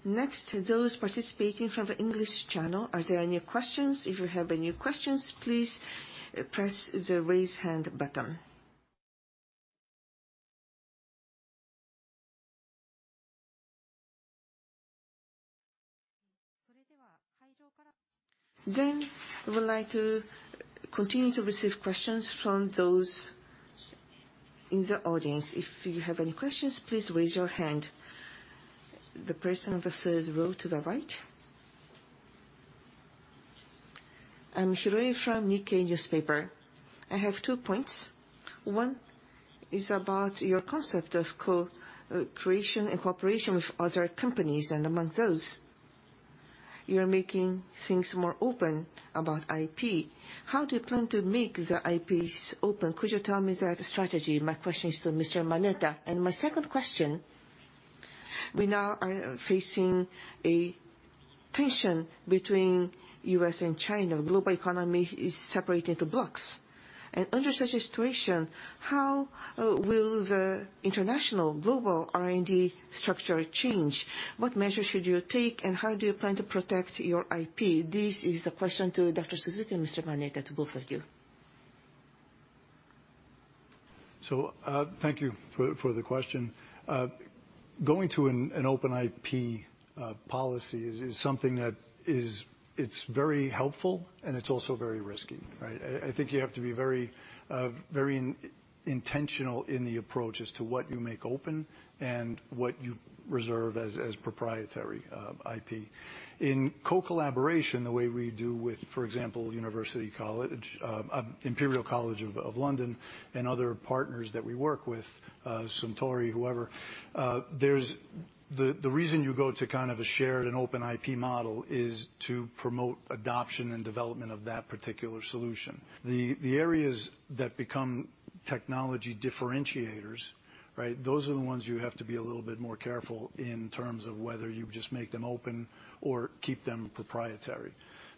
next, those participating from the English channel, are there any questions? If you have any questions, please press the Raise Hand button. I would like to continue to receive questions from those in the audience. If you have any questions, please raise your hand. The person on the third row to the right. I'm Hiroe from Nikkei newspaper. I have two points. One is about your concept of creation and cooperation with other companies, and amongst those, you're making things more open about IP. How do you plan to make the IPs open? Could you tell me that strategy? My question is to Mr. Manetta. My second question, we now are facing a tension between U.S. and China. Global economy is separating to blocks. Under such a situation, how will the international global R&D structure change? What measures should you take, and how do you plan to protect your IP? This is a question to Dr. Suzuki and Mr. Manetta, to both of you. Thank you for the question. Going to an open IP policy is something that is. It's very helpful, and it's also very risky, right? I think you have to be very intentional in the approach as to what you make open and what you reserve as proprietary IP. In co-collaboration, the way we do with, for example, University College, Imperial College London and other partners that we work with, Suntory, whoever, there's. The reason you go to kind of a shared and open IP model is to promote adoption and development of that particular solution. The areas that become technology differentiators, right? Those are the ones you have to be a little bit more careful in terms of whether you just make them open or keep them proprietary.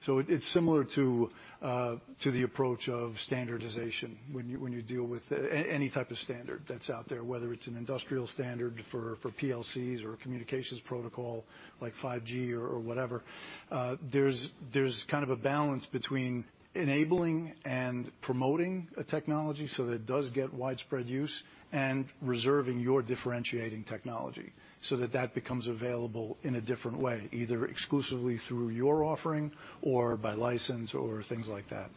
It's similar to the approach of standardization when you deal with any type of standard that's out there, whether it's an industrial standard for PLCs or a communications protocol like 5G or whatever. There's kind of a balance between enabling and promoting a technology so that it does get widespread use, and reserving your differentiating technology, so that becomes available in a different way, either exclusively through your offering or by license or things like that.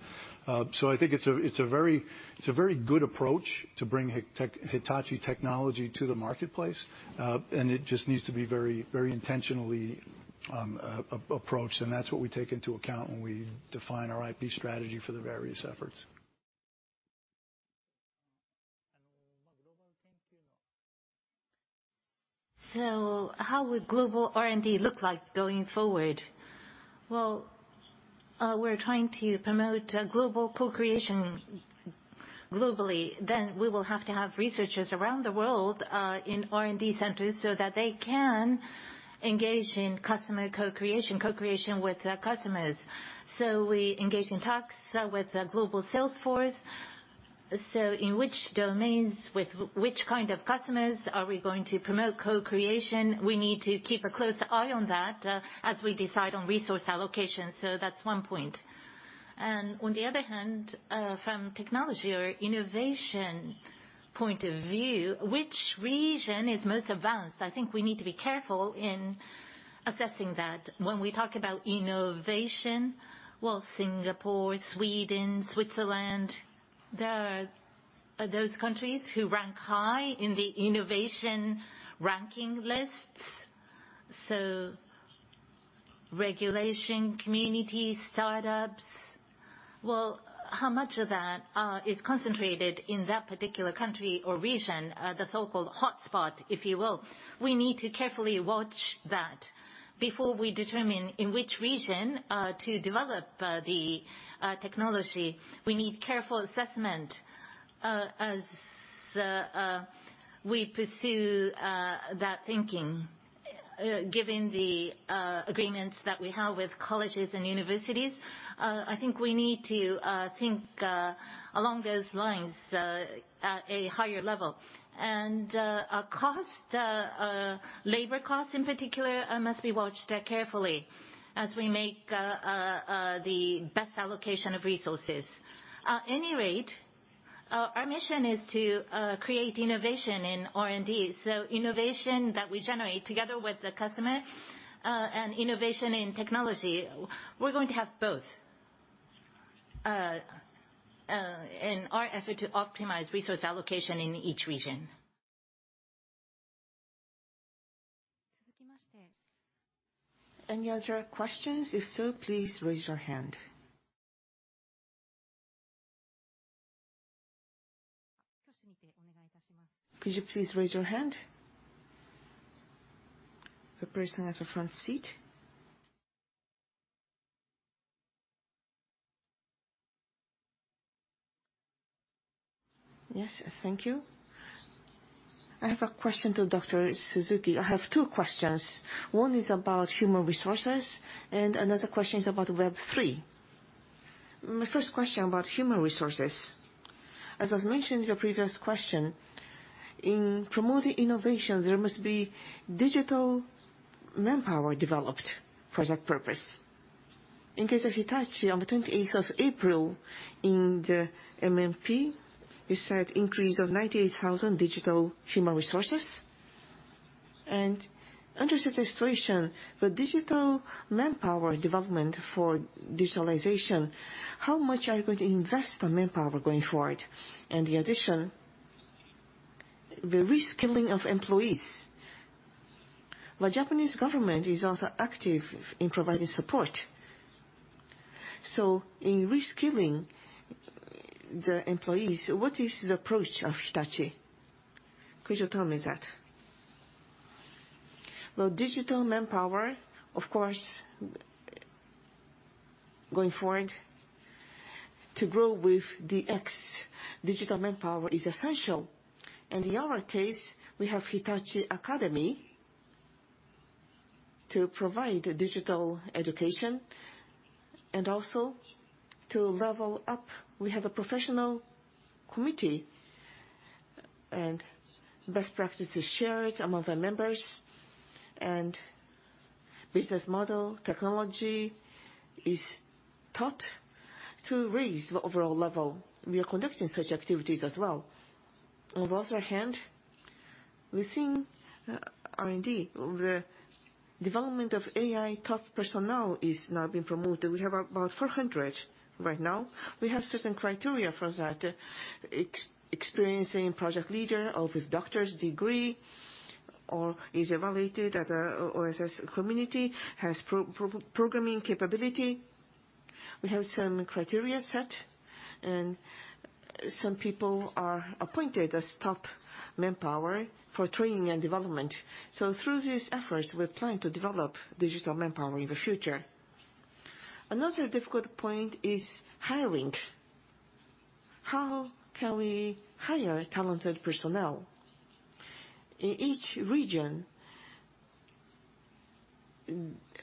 I think it's a very good approach to bring Hitachi technology to the marketplace, and it just needs to be very intentionally approached, and that's what we take into account when we define our IP strategy for the various efforts. How would global R&D look like going forward? We're trying to promote global co-creation globally. We will have to have researchers around the world in R&D centers, so that they can engage in customer co-creation, co-creation with their customers. We engage in talks with the global sales force. In which domains, with which kind of customers are we going to promote co-creation? We need to keep a close eye on that as we decide on resource allocation. That's one point. On the other hand, from technology or innovation point of view, which region is most advanced? I think we need to be careful in assessing that. When we talk about innovation, Singapore, Sweden, Switzerland, those countries who rank high in the innovation ranking lists. Regulation, community, startups, well, how much of that is concentrated in that particular country or region, the so-called hotspot, if you will? We need to carefully watch that. Before we determine in which region to develop the technology, we need careful assessment as we pursue that thinking, given the agreements that we have with colleges and universities, I think we need to think along those lines at a higher level. Our cost, labor cost in particular, must be watched carefully as we make the best allocation of resources. At any rate, our mission is to create innovation in R&D. Innovation that we generate together with the customer and innovation in technology, we're going to have both. In our effort to optimize resource allocation in each region. Any other questions? If so, please raise your hand. Could you please raise your hand? The person at the front seat. Yes, thank you. I have a question to Dr. Suzuki. I have two questions. One is about human resources, and another question is about Web3. My first question about human resources. As was mentioned in your previous question, in promoting innovation, there must be digital manpower developed for that purpose. In case of Hitachi, on the 28th of April in the MMP, you said increase of 98,000 digital human resources. Under such a situation, the digital manpower development for Digitalization, how much are you going to invest on manpower going forward? In addition, the reskilling of employees. The Japanese government is also active in providing support. In reskilling the employees, what is the approach of Hitachi? Could you tell me that? Well, digital manpower, of course, going forward to grow with DX, digital manpower is essential. In our case, we have Hitachi Academy to provide digital education. Also to level up, we have a professional committee, and best practice is shared among the members. Business model technology is taught to raise the overall level. We are conducting such activities as well. On the other hand, within R&D, the development of AI top personnel is now being promoted. We have about 400 right now. We have certain criteria for that. Experiencing project leader or with doctor's degree, or is evaluated at the OSS community, has programming capability. We have some criteria set, and some people are appointed as top manpower for training and development. Through these efforts, we plan to develop digital manpower in the future. Another difficult point is hiring. How can we hire talented personnel? In each region,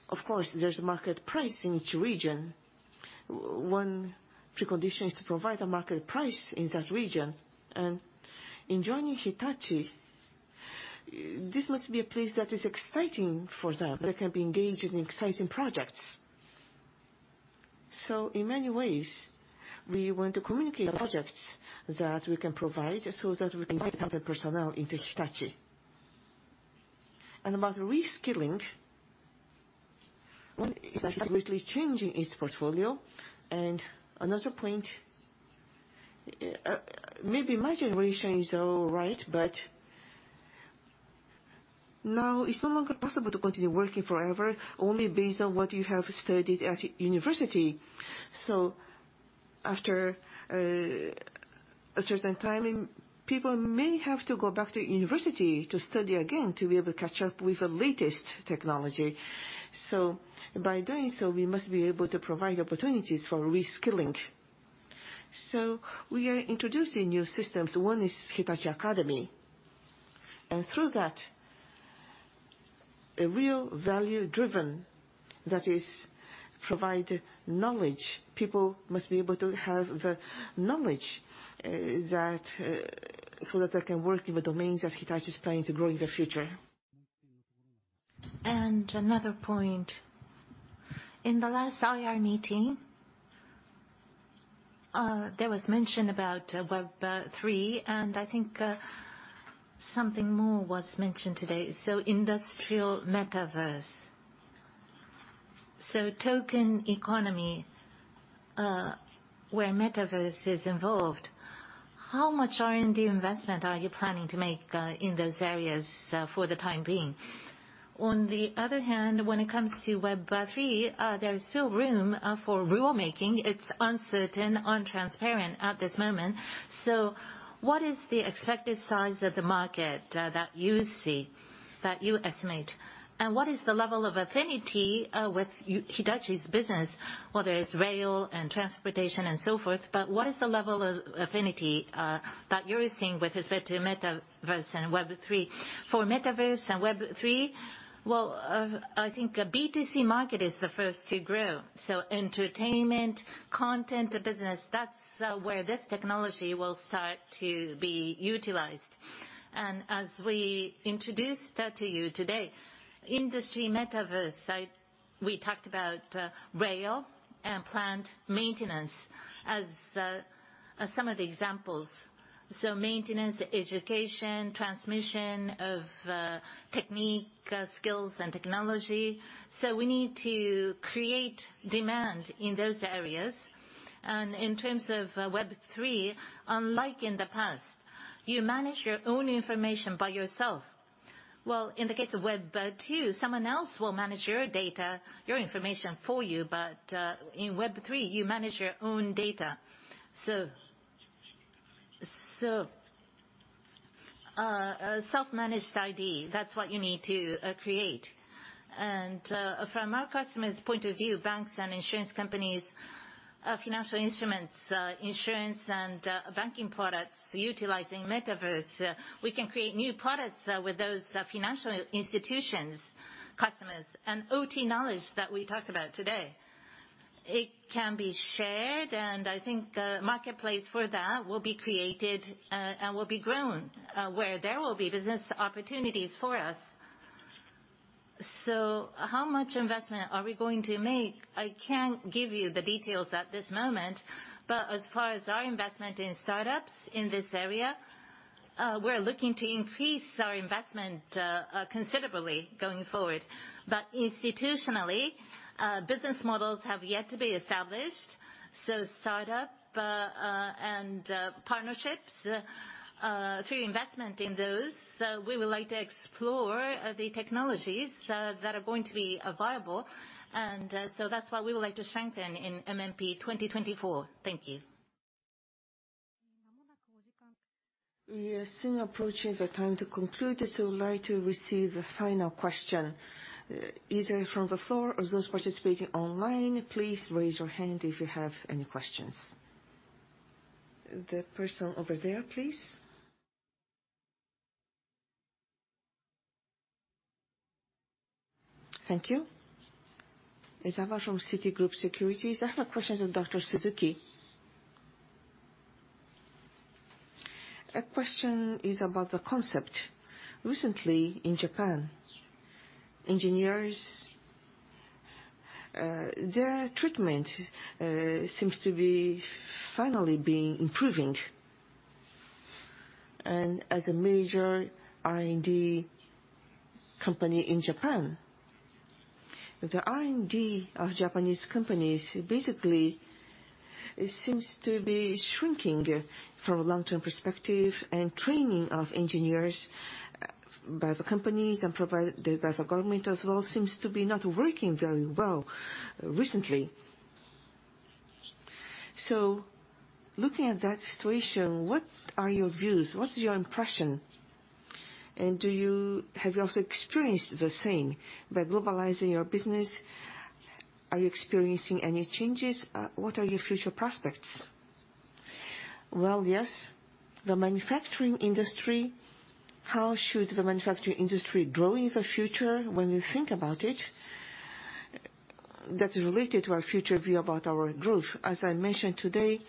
of course, there's a market price in each region. One precondition is to provide a market price in that region. In joining Hitachi, this must be a place that is exciting for them, they can be engaged in exciting projects. In many ways, we want to communicate the projects that we can provide so that we can invite other personnel into Hitachi. About reskilling, one is Hitachi completely changing its portfolio. Another point, maybe my generation is all right, but now it's no longer possible to continue working forever only based on what you have studied at university. After a certain time, people may have to go back to university to study again to be able to catch up with the latest technology. By doing so, we must be able to provide opportunities for reskilling. We are introducing new systems. One is Hitachi Academy. Through that, a real value driven, that is provide knowledge. People must be able to have the knowledge that so that they can work in the domains that Hitachi is planning to grow in the future. Another point. In the last IR meeting, there was mention about Web3, and I think, something more was mentioned today. Industrial metaverse- token economy, where metaverse is involved, how much R&D investment are you planning to make in those areas for the time being? On the other hand, when it comes to Web3, there is still room for rule making. It's uncertain, untransparent at this moment. What is the expected size of the market that you see, that you estimate? What is the level of affinity with Hitachi's business, whether it's rail and transportation and so forth, but what is the level of affinity that you're seeing with respect to metaverse and Web3? For metaverse and Web3, I think B2C market is the first to grow. Entertainment, content business, that's where this technology will start to be utilized. As we introduced that to you today, industry metaverse, we talked about rail and plant maintenance as some of the examples. Maintenance, education, transmission of technique, skills and technology. We need to create demand in those areas. In terms of Web3, unlike in the past, you manage your own information by yourself. In the case of Web2, someone else will manage your data, your information for you, but in Web3, you manage your own data. A self-managed ID, that's what you need to create. From our customers' point of view, banks and insurance companies, financial instruments, insurance and banking products utilizing metaverse, we can create new products with those financial institutions' customers. OT knowledge that we talked about today, it can be shared, and I think a marketplace for that will be created and will be grown, where there will be business opportunities for us. How much investment are we going to make? I can't give you the details at this moment, but as far as our investment in start-ups in this area, we're looking to increase our investment considerably going forward. Institutionally, business models have yet to be established, so start-up and partnerships through investment in those, we would like to explore the technologies that are going to be viable. That's what we would like to strengthen in MMP 2024. Thank you. We are soon approaching the time to conclude, so we would like to receive a final question either from the floor or those participating online. Please raise your hand if you have any questions. The person over there, please. Thank you. Eizawa from Citigroup Securities. I have a question to Dr. Suzuki. A question is about the concept. Recently in Japan, engineers, their treatment seems to be finally being improving. As a major R&D company in Japan, the R&D of Japanese companies basically seems to be shrinking from a long-term perspective, and training of engineers by the companies and by the government as well, seems to be not working very well recently. Looking at that situation, what are your views? What is your impression? Have you also experienced the same? By globalizing your business, are you experiencing any changes? What are your future prospects? Well, yes. The manufacturing industry, how should the manufacturing industry grow in the future when you think about it, that is related to our future view about our growth. As I mentioned today,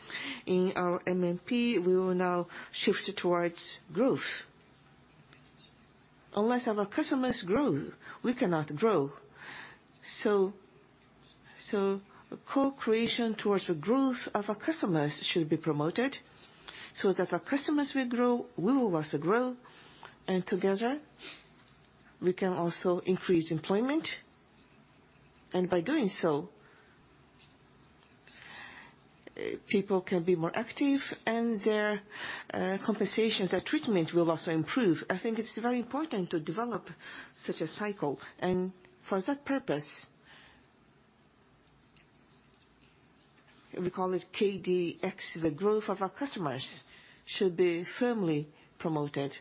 in our MMP, we will now shift towards growth. Unless our customers grow, we cannot grow. Co-creation towards the growth of our customers should be promoted, so that our customers will grow, we will also grow, and together we can also increase employment. By doing so, people can be more active, and their compensations and treatment will also improve. I think it's very important to develop such a cycle. For that purpose, we call it KDX. The growth of our customers should be firmly promoted,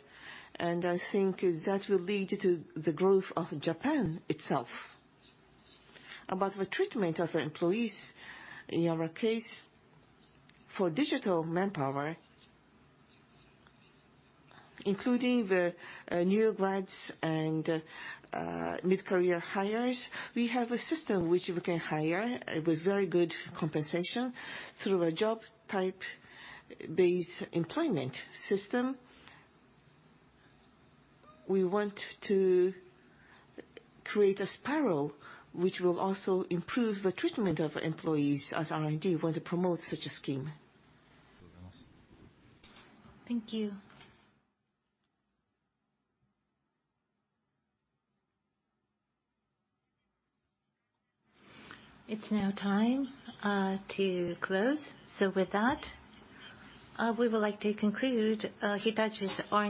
and I think that will lead to the growth of Japan itself. About the treatment of our employees, in our case, for digital manpower, including the new grads and mid-career hires, we have a system which we can hire with very good compensation through a job type-based employment system. We want to create a spiral which will also improve the treatment of employees as R&D want to promote such a scheme. Thank you. It's now time to close. With that, we would like to conclude Hitachi's R&D-